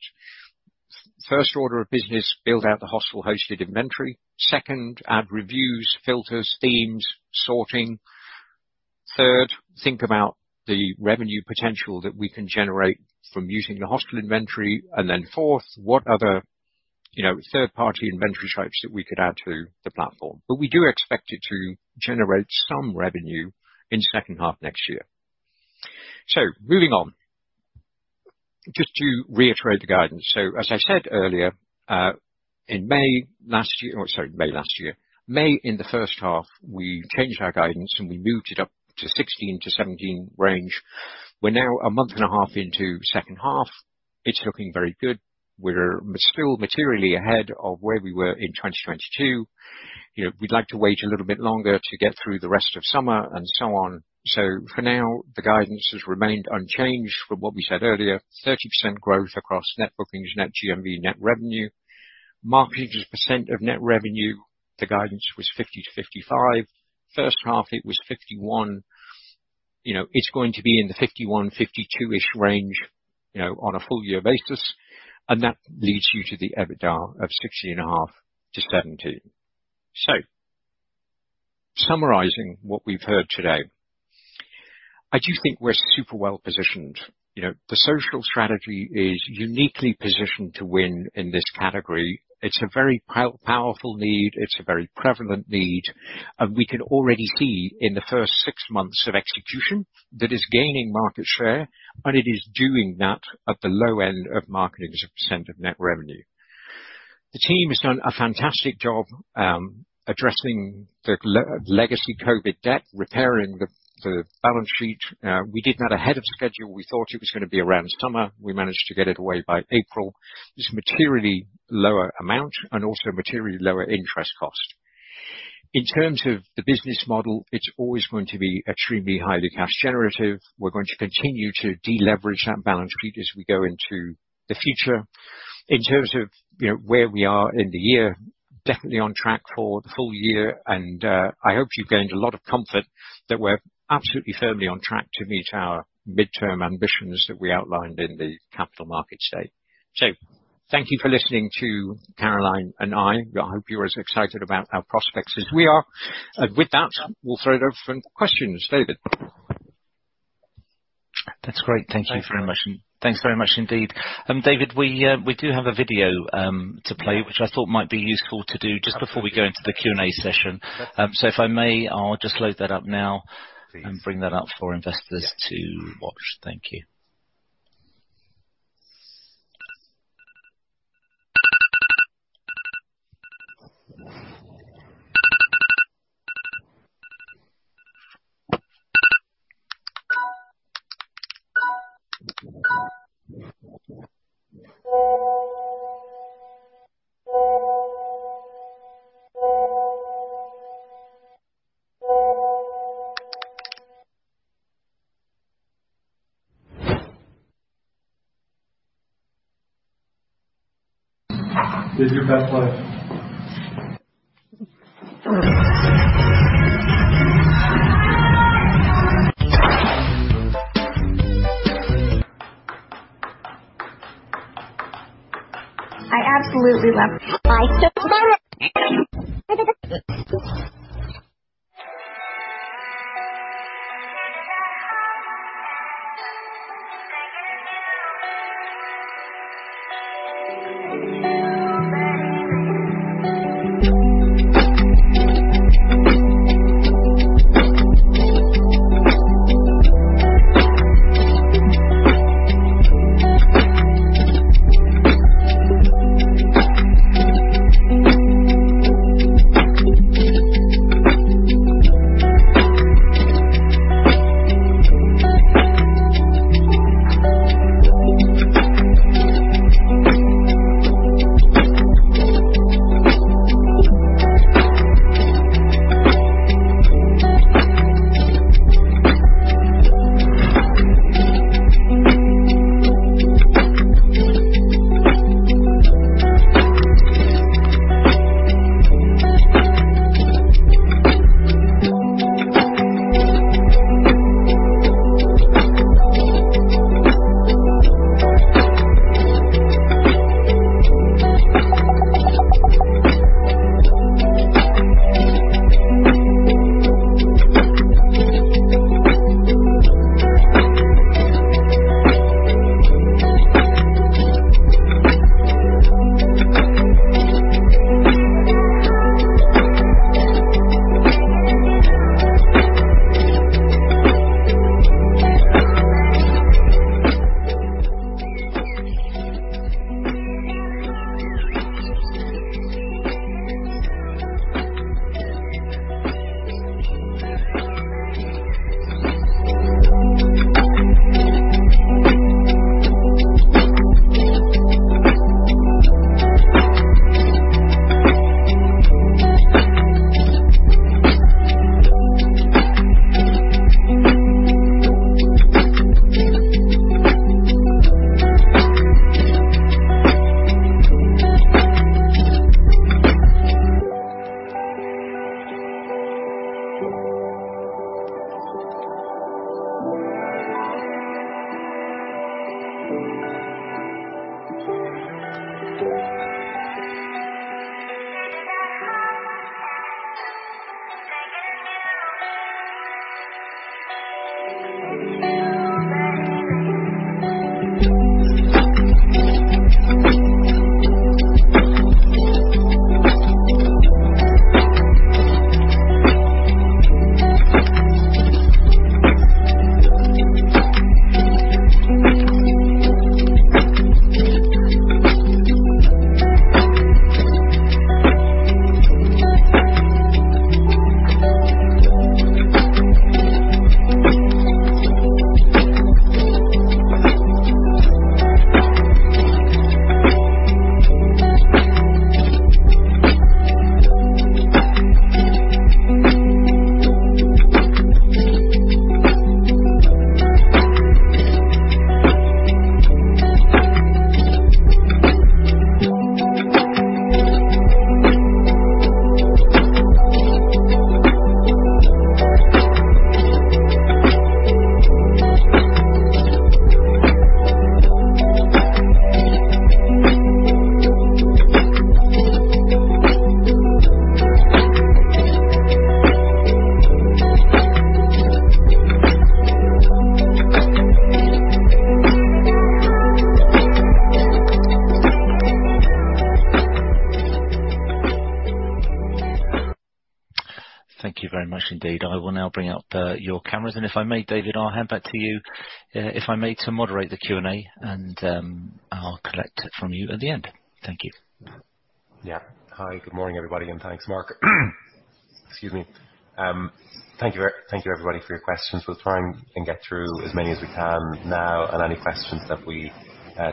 First order of business, build out the hostel-hosted inventory. Second, add reviews, filters, themes, sorting. Third, think about the revenue potential that we can generate from using the hostel inventory. Then fourth, what other, you know, third-party inventory types that we could add to the platform. We do expect it to generate some revenue in second half next year. Moving on. Just to reiterate the guidance. As I said earlier, in May last year-- oh, sorry, May last year. May, in the first half, we changed our guidance, and we moved it up to 16-17 range. We're now a month and a half into second half. It's looking very good. We're still materially ahead of where we were in 2022. You know, we'd like to wait a little bit longer to get through the rest of summer and so on. For now, the guidance has remained unchanged from what we said earlier, 30% growth across net bookings, net GMV, net revenue. Marketing as a percent of net revenue, the guidance was 50%-55%. First half, it was 51%. You know, it's going to be in the 51%-52% range, you know, on a full year basis, and that leads you to the EBITDA of 16.5 million-17 million. Summarizing what we've heard today, I do think we're super well-positioned. You know, the social strategy is uniquely positioned to win in this category. It's a very powerful need, it's a very prevalent need, and we can already see in the first 6 months of execution that it's gaining market share, and it is doing that at the low end of marketing as a percent of net revenue. The team has done a fantastic job, addressing the legacy COVID debt, repairing the, the balance sheet. We did that ahead of schedule. We thought it was going to be around summer. We managed to get it away by April. It's a materially lower amount and also materially lower interest cost. In terms of the business model, it's always going to be extremely highly cash generative. We're going to continue to deleverage that balance sheet as we go into the future. In terms of, you know, where we are in the year, definitely on track for the full year, and I hope you've gained a lot of comfort that we're absolutely firmly on track to meet our midterm ambitions that we outlined in the Capital Markets Day. Thank you for listening to Caroline and I. I hope you're as excited about our prospects as we are. With that, we'll throw it over for any questions. David? That's great. Thank you very much. Thanks very much indeed. David, we do have a video to play, which I thought might be useful to do just before we go into the Q&A session. If I may, I'll just load that up now and bring that up for investors to watch. Thank you. Thank you very much indeed. I will now bring out, your cameras, and if I may, David, I'll hand back to you, if I may, to moderate the Q&A, and, I'll collect it from you at the end. Thank you. Yeah. Hi, good morning, everybody, and thanks, Mark. Excuse me. Thank you, everybody, for your questions. We'll try and, and get through as many as we can now, and any questions that we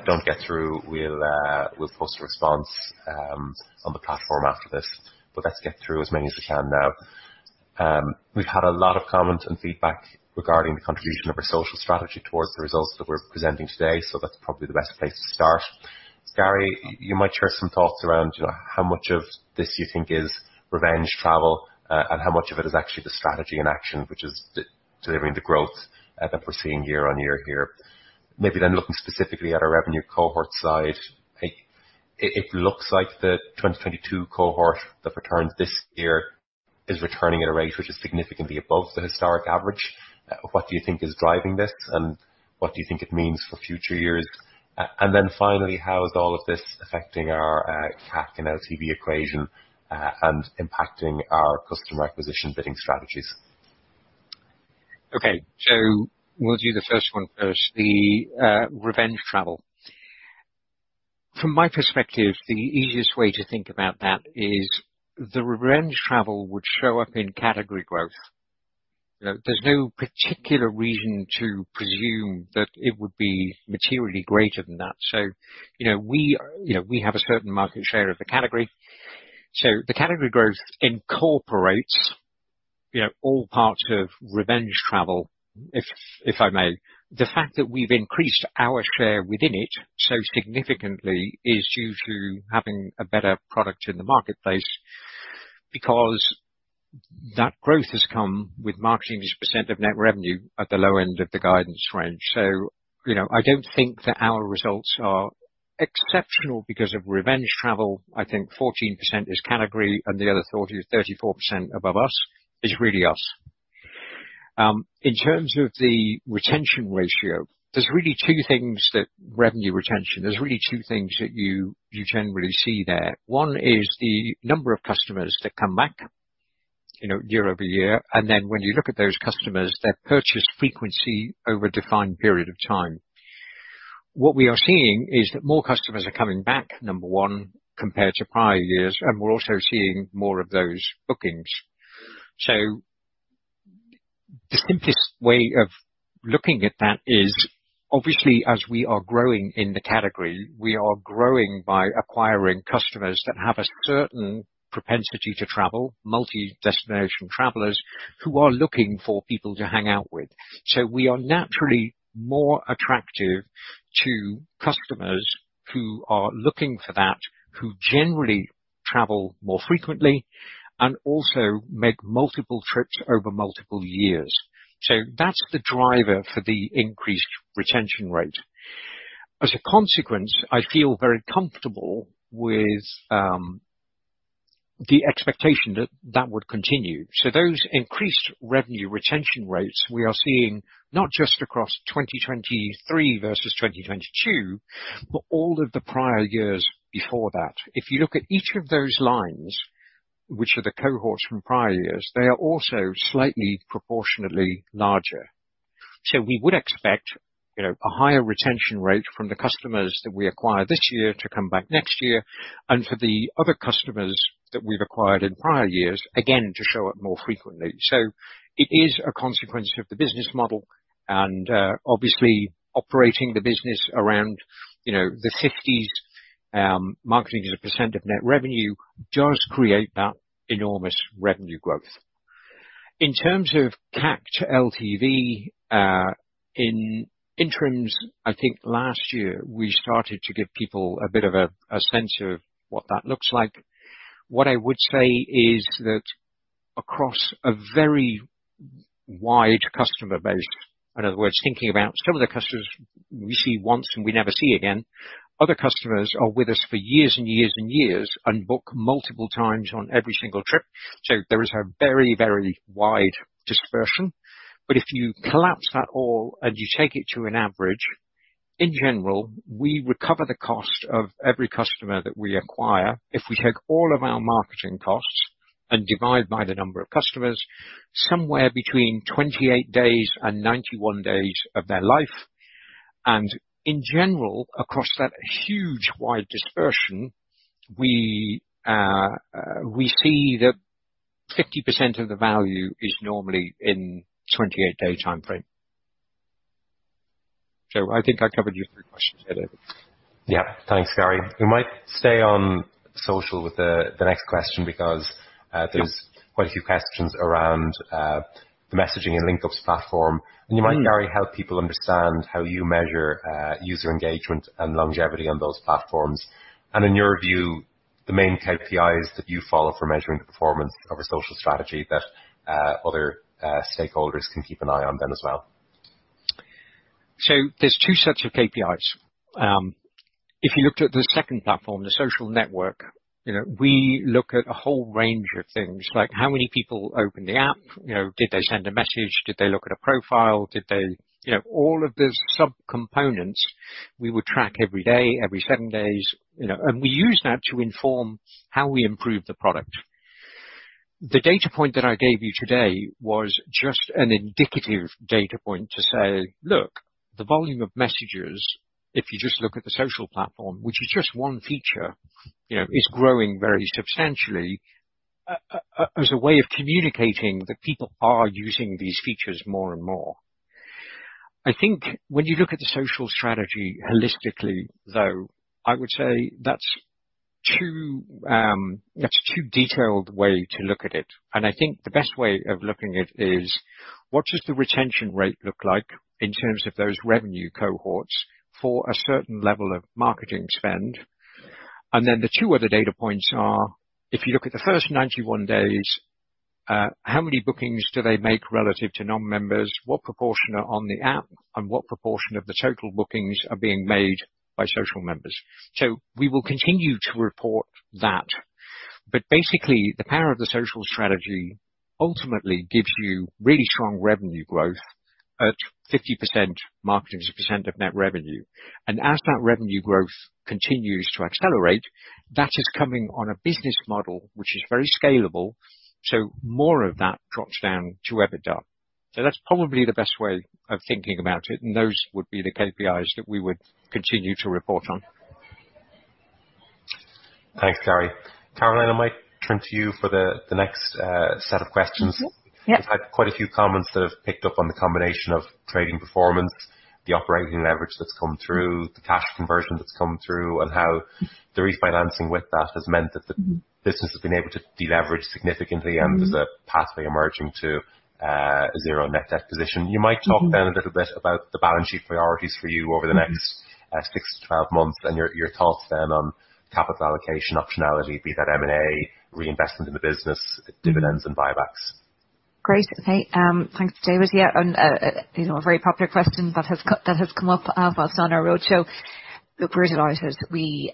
don't get through, we'll, we'll post a response on the platform after this. Let's get through as many as we can now. We've had a lot of comments and feedback regarding the contribution of our social strategy towards the results that we're presenting today, so that's probably the best place to start. Gary, you might share some thoughts around, you know, how much of this you think is revenge travel, and how much of it is actually the strategy in action, which is delivering the growth that we're seeing year-on-year here. Maybe looking specifically at our revenue cohort side, it looks like the 2022 cohort that returns this year is returning at a rate which is significantly above the historic average. What do you think is driving this, and what do you think it means for future years? Finally, how is all of this affecting our CAC and LTV equation and impacting our customer acquisition bidding strategies? Okay. We'll do the first one first, the revenge travel. From my perspective, the easiest way to think about that is the revenge travel would show up in category growth. You know, there's no particular reason to presume that it would be materially greater than that. You know, we, you know, we have a certain market share of the category, so the category growth incorporates, you know, all parts of revenge travel, if, if I may. The fact that we've increased our share within it so significantly is due to having a better product in the marketplace, because that growth has come with marketing as a percent of net revenue at the low end of the guidance range. You know, I don't think that our results are exceptional because of revenge travel. I think 14% is category, and the other 30-34% above us is really us. In terms of the retention ratio, revenue retention, there's really two things that you generally see there. One is the number of customers that come back, you know, year-over-year, and then when you look at those customers, their purchase frequency over a defined period of time. What we are seeing is that more customers are coming back, number one, compared to prior years, and we're also seeing more of those bookings. The simplest way of looking at that is, obviously, as we are growing in the category, we are growing by acquiring customers that have a certain propensity to travel, multi-destination travelers, who are looking for people to hang out with. We are naturally more attractive to customers who are looking for that, who generally travel more frequently and also make multiple trips over multiple years. That's the driver for the increased retention rate. As a consequence, I feel very comfortable with the expectation that that would continue. Those increased revenue retention rates we are seeing, not just across 2023 versus 2022, but all of the prior years before that. If you look at each of those lines, which are the cohorts from prior years, they are also slightly proportionately larger. We would expect, you know, a higher retention rate from the customers that we acquire this year to come back next year, and for the other customers that we've acquired in prior years, again, to show up more frequently. It is a consequence of the business model and, obviously, operating the business around, you know, the 50s, marketing as a percent of net revenue, does create that enormous revenue growth. In terms of CAC to LTV, in interims, I think last year we started to give people a bit of a, a sense of what that looks like. What I would say is that across a very wide customer base, in other words, thinking about some of the customers we see once and we never see again, other customers are with us for years and years and years and book multiple times on every single trip. There is a very, very wide dispersion. If you collapse that all and you take it to an average, in general, we recover the cost of every customer that we acquire if we take all of our marketing costs and divide by the number of customers, somewhere between 28 days and 91 days of their life. In general, across that huge wide dispersion, we, we see that 50% of the value is normally in 28-day time frame. I think I covered your 3 questions there, David. Yeah. Thanks, Gary. We might stay on social with the next question because. Yeah. There's quite a few questions around, the messaging and Linkups platform. Mm. You might, Gary, help people understand how you measure user engagement and longevity on those platforms. In your view, the main KPIs that you follow for measuring the performance of a social strategy that other stakeholders can keep an eye on then as well. There's two sets of KPIs. If you looked at the second platform, the social network, you know, we look at a whole range of things like: How many people opened the app? You know, did they send a message? Did they look at a profile? Did they... You know, all of those subcomponents, we would track every day, every 7 days, you know, and we use that to inform how we improve the product. The data point that I gave you today was just an indicative data point to say: Look, the volume of messages, if you just look at the social platform, which is just one feature, you know, is growing very substantially as a way of communicating that people are using these features more and more. I think when you look at the social strategy holistically, though, I would say that's too, that's a too detailed way to look at it. I think the best way of looking at it is, what does the retention rate look like in terms of those revenue cohorts for a certain level of marketing spend? Then the two other data points are, if you look at the first 91 days, how many bookings do they make relative to non-members? What proportion are on the app? What proportion of the total bookings are being made by social members? We will continue to report that, but basically, the power of the social strategy ultimately gives you really strong revenue growth at 50%, marketing as a percent of net revenue. As that revenue growth continues to accelerate, that is coming on a business model, which is very scalable, so more of that drops down to EBITDA. That's probably the best way of thinking about it, and those would be the KPIs that we would continue to report on. Thanks, Gary. Caroline, I might turn to you for the, the next set of questions. Mm-hmm. Yeah. We've had quite a few comments that have picked up on the combination of trading performance, the operating leverage that's come through, the cash conversion that's come through, and how the refinancing with that has meant that the business has been able to deleverage significantly. Mm-hmm. There's a pathway emerging to zero net debt position. Mm-hmm. You might talk down a little bit about the balance sheet priorities for you over the next, 6-12 months, and your, your thoughts then on capital allocation optionality, be that M&A, reinvestment in the business- Mm. dividends, and buybacks. Great. Okay, thanks, David. Yeah, you know, a very popular question that has come up whilst on our roadshow. We're delighted. We,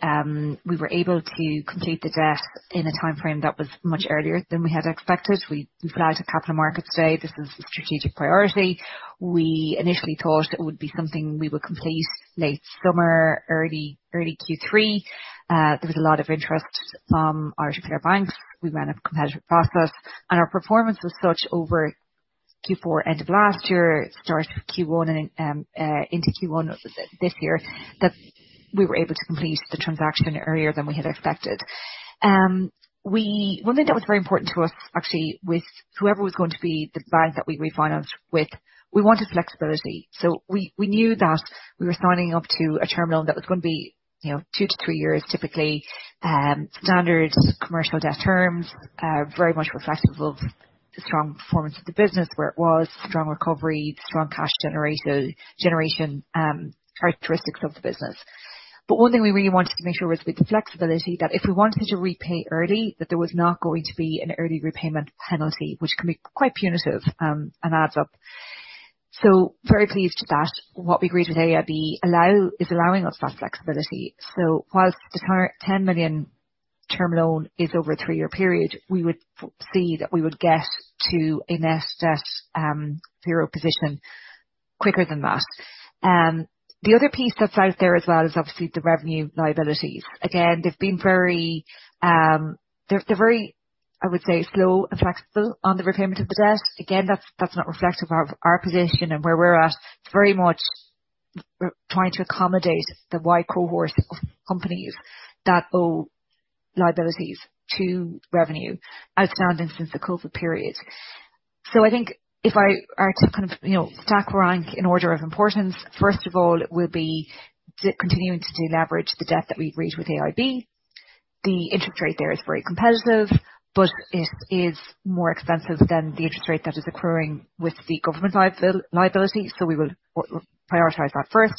we were able to complete the debt in a timeframe that was much earlier than we had expected. We, we put out a Capital Markets Day. This is a strategic priority. We initially thought it would be something we would complete late summer, early, early Q3. There was a lot of interest from Irish player banks. We ran a competitive process, our performance was such over Q4, end of last year, start of Q1 and into Q1 of this year, that we were able to complete the transaction earlier than we had expected. We... One thing that was very important to us, actually, with whoever was going to be the bank that we refinanced with, we wanted flexibility. We, we knew that we were signing up to a term loan that was going to be, you know, two to three years, typically, standard commercial debt terms, very much reflective of the strong performance of the business, where it was strong recovery, strong cash generation, generation, characteristics of the business. One thing we really wanted to make sure was with the flexibility, that if we wanted to repay early, that there was not going to be an early repayment penalty, which can be quite punitive, and adds up. Very pleased that what we agreed with AIB allow-- is allowing us that flexibility. Whilst the current 10 million term loan is over a 3-year period, we would see that we would get to a net debt 0 position quicker than that. The other piece that's out there as well is obviously the Revenue liabilities. Again, they've been very. They're, they're very, I would say, slow and flexible on the repayment of the debt. Again, that's, that's not reflective of our, our position and where we're at. It's very much we're trying to accommodate the wide cohort of companies that owe liabilities to Revenue as standing since the COVID period. I think if I are to kind of, you know, stack rank in order of importance, first of all, it will be the continuing to deleverage the debt that we've raised with AIB. The interest rate there is very competitive. It is more expensive than the interest rate that is accruing with the government liability. We will prioritize that first.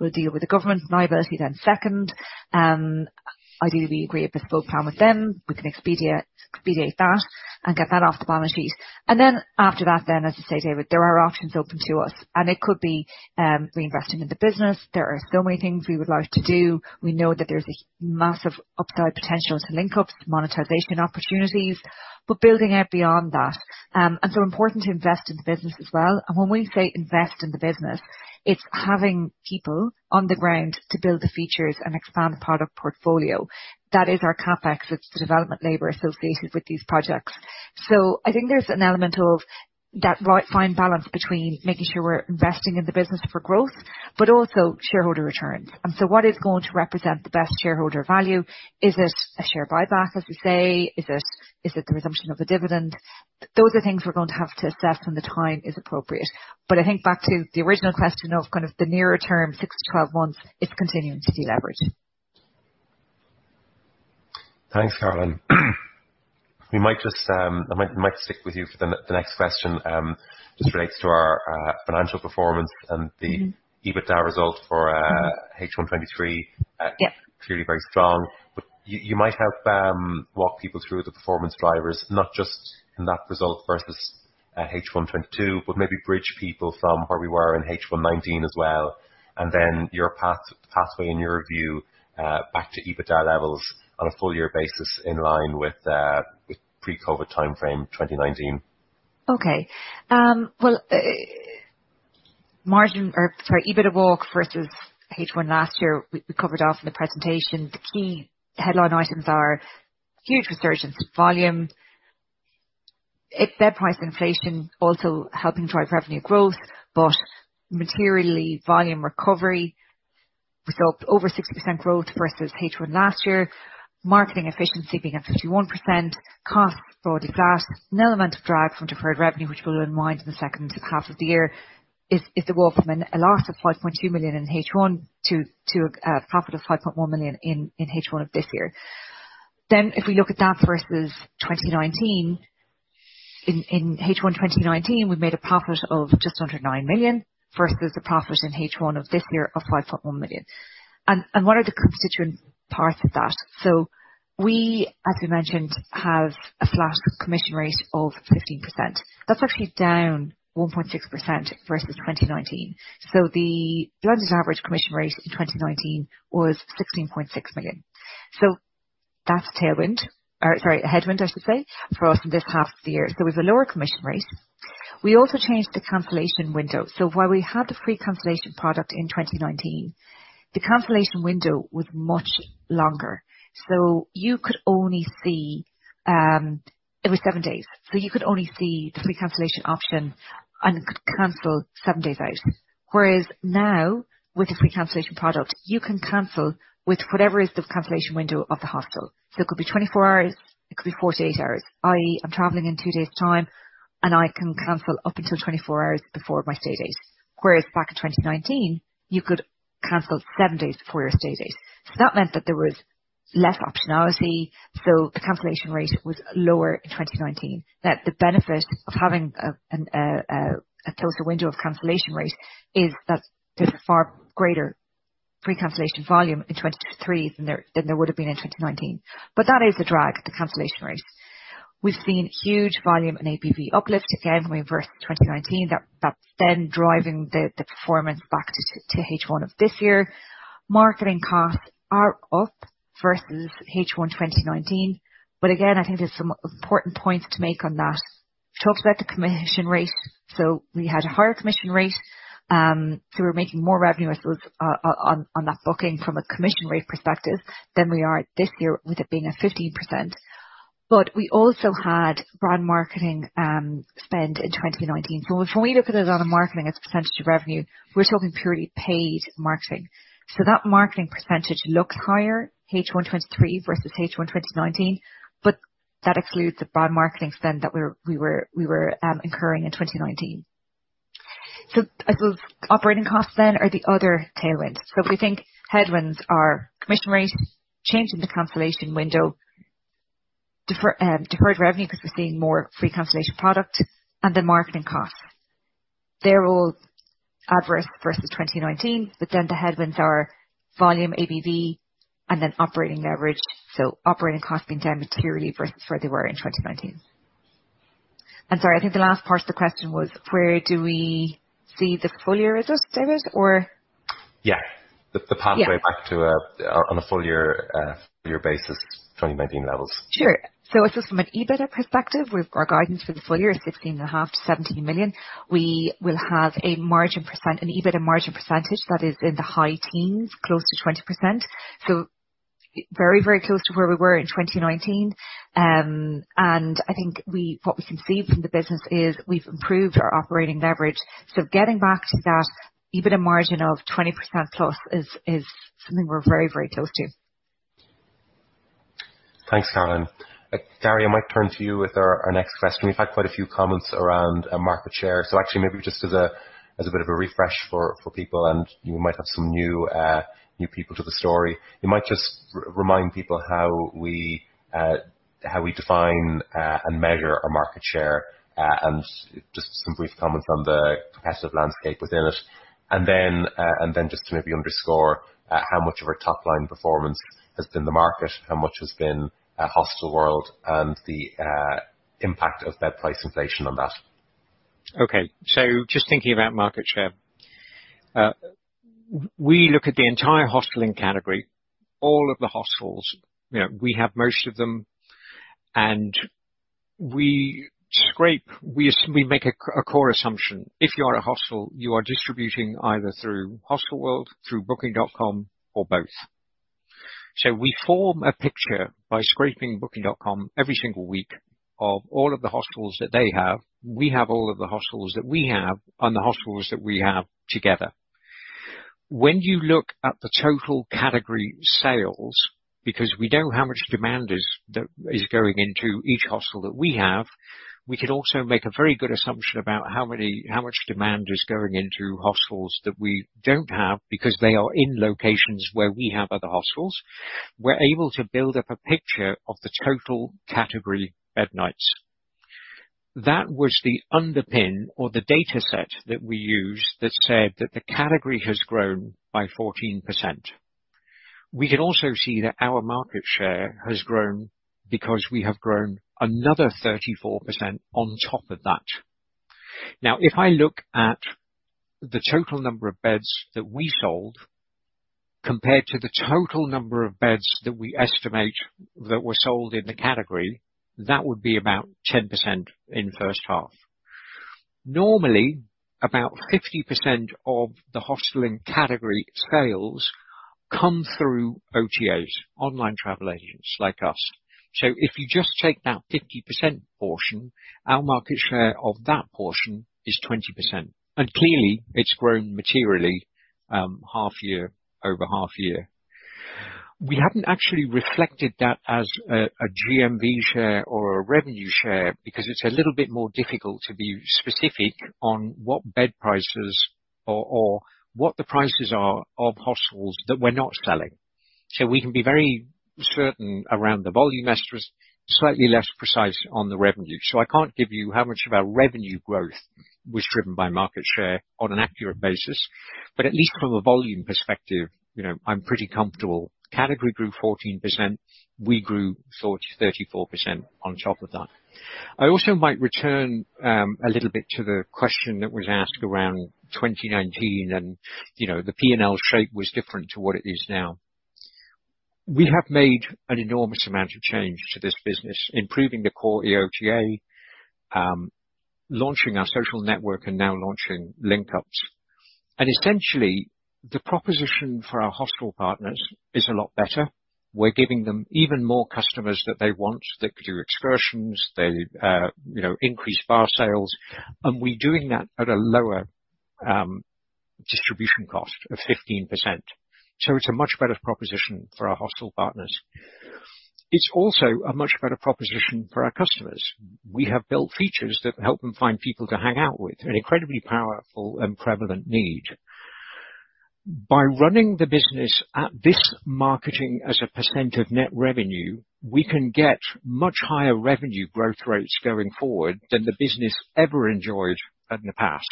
We'll deal with the government liability then second. Ideally, we agree a bespoke plan with them. We can expedite, expedite that and get that off the balance sheet. After that then, as I say, David, there are options open to us, and it could be reinvesting in the business. There are so many things we would like to do. We know that there's a massive upside potential to Linkups monetization opportunities. Building out beyond that. So important to invest in the business as well. When we say invest in the business, it's having people on the ground to build the features and expand the product portfolio. That is our CapEx. It's the development labor associated with these projects. I think there's an element of that right fine balance between making sure we're investing in the business for growth, but also shareholder returns. What is going to represent the best shareholder value? Is it a share buyback, as we say? Is it, is it the resumption of a dividend? Those are things we're going to have to assess when the time is appropriate. I think back to the original question of kind of the nearer term, 6-12 months, it's continuing to deleverage. Thanks, Caroline. I might stick with you for the next question. This relates to our financial performance and... Mm-hmm. EBITDA result for, H1 2023. Yeah. You, you might help walk people through the performance drivers, not just in that result versus H1 2022, but maybe bridge people from where we were in H1 2019 as well, and then your pathway in your review back to EBITDA levels on a full year basis, in line with with pre-COVID timeframe, 2019. Okay. Well, margin, or sorry, EBITDA walk versus H1 last year, we covered off in the presentation. The key headline items are huge resurgence in volume. Net price inflation also helping drive revenue growth, but materially volume recovery result over 60% growth versus H1 last year. Marketing efficiency being at 51%. Costs, broadly flat. An element of drag from deferred revenue, which will unwind in the second half of the year, is the walk from a loss of 5.2 million in H1 to a profit of 5.1 million in H1 of this year. If we look at that versus 2019, in H1 2019, we made a profit of just under 9 million, versus the profit in H1 of this year of 5.1 million. What are the constituent parts of that? We, as we mentioned, have a flat commission rate of 15%. That's actually down 1.6% versus 2019. The London average commission rate in 2019 was 16.6 million. That's a tailwind, or sorry, a headwind, I should say, for us in this half of the year. It was a lower commission rate. We also changed the cancellation window. While we had the free cancellation product in 2019, the cancellation window was much longer. You could only see, It was 7 days, so you could only see the free cancellation option and could cancel 7 days out. Whereas now, with the free cancellation product, you can cancel with whatever is the cancellation window of the hostel. It could be 24 hours, it could be 48 hours. I.e., I'm traveling in two days' time, and I can cancel up until 24 hours before my stay date. Back in 2019, you could cancel seven days before your stay date. That meant that there was less optionality, so the cancellation rate was lower in 2019. That the benefit of having a closer window of cancellation rate is that there's a far greater free cancellation volume in 2023 than there would have been in 2019. That is a drag, the cancellation rate. We've seen huge volume in ABV uplift again when versus 2019, that's then driving the performance back to H1 of this year. Marketing costs are up versus H1, 2019. Again, I think there's some important points to make on that. She talked about the commission rate. We had a higher commission rate, so we're making more revenue, I suppose, on, on, on that booking from a commission rate perspective than we are this year, with it being a 15%. We also had brand marketing spend in 2019. When, when we look at it on a marketing as a percentage of revenue, we're talking purely paid marketing. That marketing percentage looks higher, H1, 2023 versus H1, 2019, but that excludes the brand marketing spend that we were incurring in 2019. I suppose operating costs then are the other tailwinds. If we think headwinds are commission rates, changing the cancellation window, defer, deferred revenue, because we're seeing more free cancellation product and the marketing costs. They're all adverse versus 2019, but then the headwinds are volume ABV, and then operating leverage, so operating costs being down materially versus where they were in 2019. Sorry, I think the last part of the question was: where do we see the full year results, David, or? Yeah. Yeah. The pathway back to a, on a full year, full year basis, 2019 levels. Sure. I suppose from an EBITDA perspective, we've our guidance for the full year is 16.5 million-17 million. We will have a margin %, an EBITDA margin percentage that is in the high teens, close to 20%. I think we what we can see from the business is we've improved our operating leverage. Getting back to that EBITDA margin of 20%+ is something we're very, very close to. Thanks, Carolyn. Gary, I might turn to you with our, our next question. We've had quite a few comments around market share. So actually maybe just as a, as a bit of a refresh for, for people, and you might have some new, new people to the story. You might just remind people how we, how we define, and measure our market share, and just simply comment on the competitive landscape within it. And then, and then just to maybe underscore, how much of our top line performance has been the market, how much has been Hostelworld, and the impact of bed price inflation on that. Okay, just thinking about market share. we look at the entire hosteling category, all of the hostels. You know, we have most of them, and we make a core assumption. If you are a hostel, you are distributing either through Hostelworld, through Booking.com, or both. We form a picture by scraping Booking.com every single week of all of the hostels that they have. We have all of the hostels that we have and the hostels that we have together. When you look at the total category sales, because we know how much demand that is going into each hostel that we have, we can also make a very good assumption about how much demand is going into hostels that we don't have, because they are in locations where we have other hostels. We're able to build up a picture of the total category bed nights. That was the underpin or the data set that we used that said that the category has grown by 14%. We can also see that our market share has grown because we have grown another 34% on top of that. Now, if I look at the total number of beds that we sold, compared to the total number of beds that we estimate that were sold in the category, that would be about 10% in the first half. Normally, about 50% of the hosteling category sales come through OTAs, online travel agents like us. So if you just take that 50% portion, our market share of that portion is 20%, and clearly it's grown materially, half year, over half year. We haven't actually reflected that as a, a GMV share or a revenue share, because it's a little bit more difficult to be specific on what bed prices or, or what the prices are of hostels that we're not selling. We can be very certain around the volume estimates, slightly less precise on the revenue. I can't give you how much of our revenue growth was driven by market share on an accurate basis, but at least from a volume perspective, you know, I'm pretty comfortable. Category grew 14%, we grew 40%, 34% on top of that. I also might return a little bit to the question that was asked around 2019 and, you know, the P&L shape was different to what it is now. We have made an enormous amount of change to this business, improving the core OTA, launching our social network and now launching Linkups. Essentially, the proposition for our hostel partners is a lot better. We're giving them even more customers that they want, that do excursions, they, you know, increase bar sales, and we're doing that at a lower distribution cost of 15%. It's a much better proposition for our hostel partners. It's also a much better proposition for our customers. We have built features that help them find people to hang out with, an incredibly powerful and prevalent need. By running the business at this marketing as a percent of net revenue, we can get much higher revenue growth rates going forward than the business ever enjoyed in the past.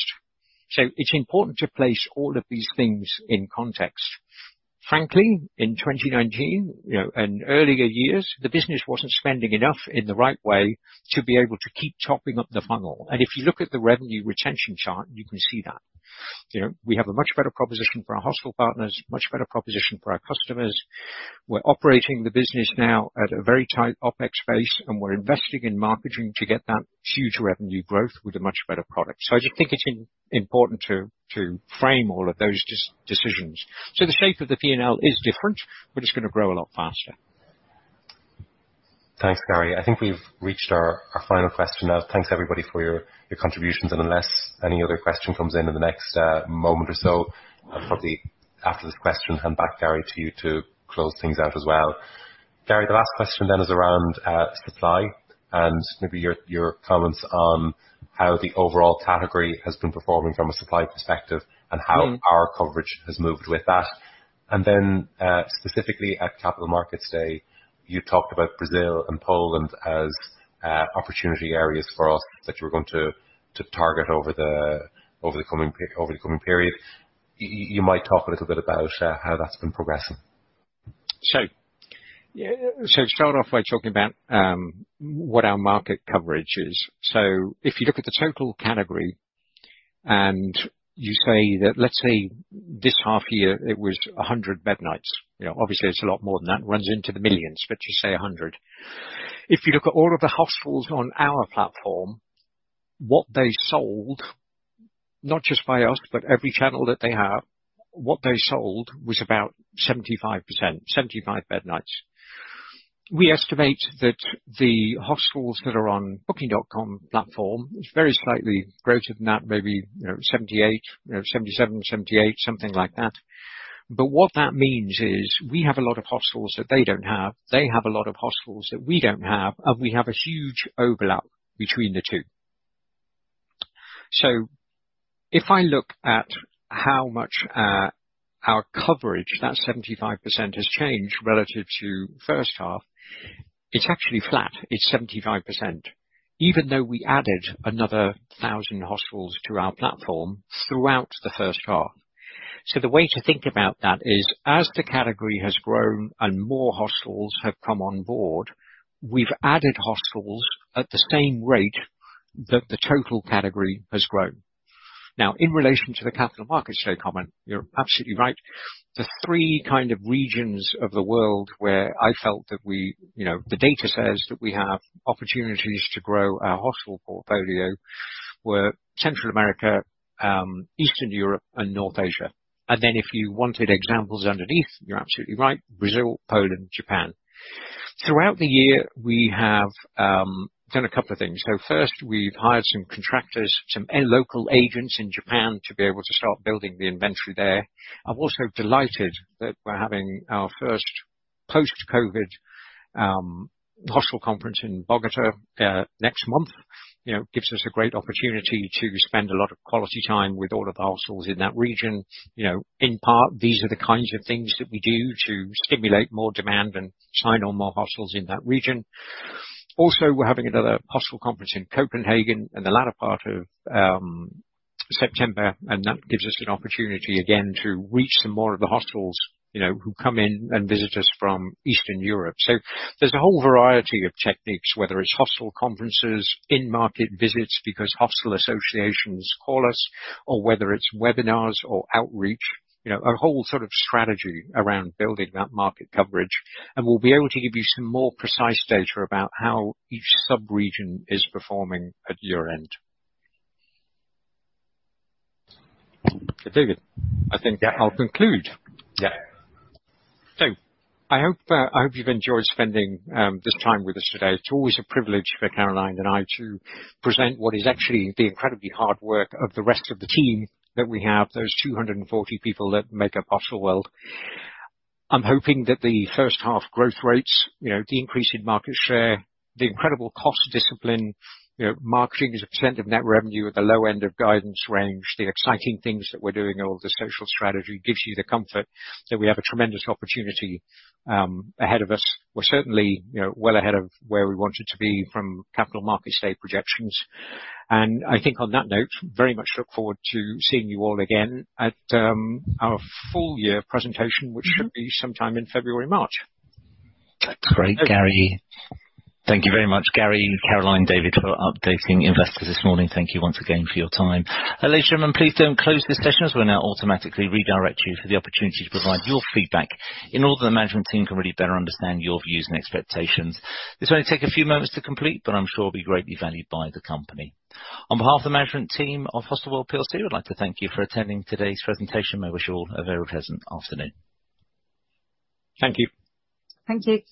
It's important to place all of these things in context. Frankly, in 2019, you know, and earlier years, the business wasn't spending enough in the right way to be able to keep topping up the funnel. If you look at the revenue retention chart, you can see that. You know, we have a much better proposition for our hostel partners, much better proposition for our customers. We're operating the business now at a very tight OpEx base, and we're investing in marketing to get that huge revenue growth with a much better product. I just think it's important to frame all of those decisions. The shape of the P&L is different, but it's gonna grow a lot faster. Thanks, Gary. I think we've reached our final question now. Thanks, everybody, for your contributions. Unless any other question comes in in the next moment or so, I'll probably, after this question, hand back, Gary, to you to close things out as well. Gary, the last question is around supply and maybe your comments on how the overall category has been performing from a supply perspective and how- Mm. -our coverage has moved with that. Specifically at Capital Markets Day, you talked about Brazil and Poland as opportunity areas for us that you were going to, to target over the coming period. You might talk a little bit about how that's been progressing? Yeah, so start off by talking about what our market coverage is. If you look at the total category, and you say that, let's say, this half year, it was 100 bed nights. You know, obviously, it's a lot more than that, runs into the millions, but just say 100. If you look at all of the hostels on our platform, what they sold, not just by us, but every channel that they have, what they sold was about 75%, 75 bed nights. We estimate that the hostels that are on Booking.com platform is very slightly greater than that, maybe, you know, 78, you know, 77, 78, something like that. What that means is we have a lot of hostels that they don't have, they have a lot of hostels that we don't have, and we have a huge overlap between the two. If I look at how much our coverage, that 75% has changed relative to first half, it's actually flat. It's 75%, even though we added another 1,000 hostels to our platform throughout the first half. The way to think about that is, as the category has grown and more hostels have come on board, we've added hostels at the same rate that the total category has grown. In relation to the Capital Markets Day comment, you're absolutely right. The three kind of regions of the world where I felt that we, you know, the data says that we have opportunities to grow our hostel portfolio were Central America, Eastern Europe, and North Asia. If you wanted examples underneath, you're absolutely right, Brazil, Poland, Japan. Throughout the year, we have done a couple of things. First, we've hired some contractors, some local agents in Japan to be able to start building the inventory there. I'm also delighted that we're having our first post-COVID hostel conference in Bogota next month. You know, gives us a great opportunity to spend a lot of quality time with all of the hostels in that region. You know, in part, these are the kinds of things that we do to stimulate more demand and sign on more hostels in that region. Also, we're having another hostel conference in Copenhagen in the latter part of September, and that gives us an opportunity, again, to reach some more of the hostels, you know, who come in and visit us from Eastern Europe. There's a whole variety of techniques, whether it's hostel conferences, in-market visits, because hostel associations call us, or whether it's webinars or outreach, you know, a whole sort of strategy around building that market coverage. We'll be able to give you some more precise data about how each subregion is performing at year-end. David, I think I'll conclude. Yeah. I hope, I hope you've enjoyed spending this time with us today. It's always a privilege for Caroline and I to present what is actually the incredibly hard work of the rest of the team that we have, those 240 people that make up Hostelworld. I'm hoping that the first half growth rates, you know, the increase in market share, the incredible cost discipline, you know, marketing as a percent of net revenue at the low end of guidance range, the exciting things that we're doing, all the social strategy, gives you the comfort that we have a tremendous opportunity ahead of us. We're certainly, you know, well ahead of where we wanted to be from Capital Markets Day projections. I think on that note, very much look forward to seeing you all again at our full year presentation, which should be sometime in February, March. That's great, Gary. Thank you very much, Gary, Caroline, David, for updating investors this morning. Thank you once again for your time. Ladies and gentlemen, please don't close this session, as we'll now automatically redirect you for the opportunity to provide your feedback in order the management team can really better understand your views and expectations. This will only take a few moments to complete, but I'm sure it'll be greatly valued by the company. On behalf of the management team of Hostelworld PLC, I'd like to thank you for attending today's presentation. We wish you all a very pleasant afternoon. Thank you. Thank you.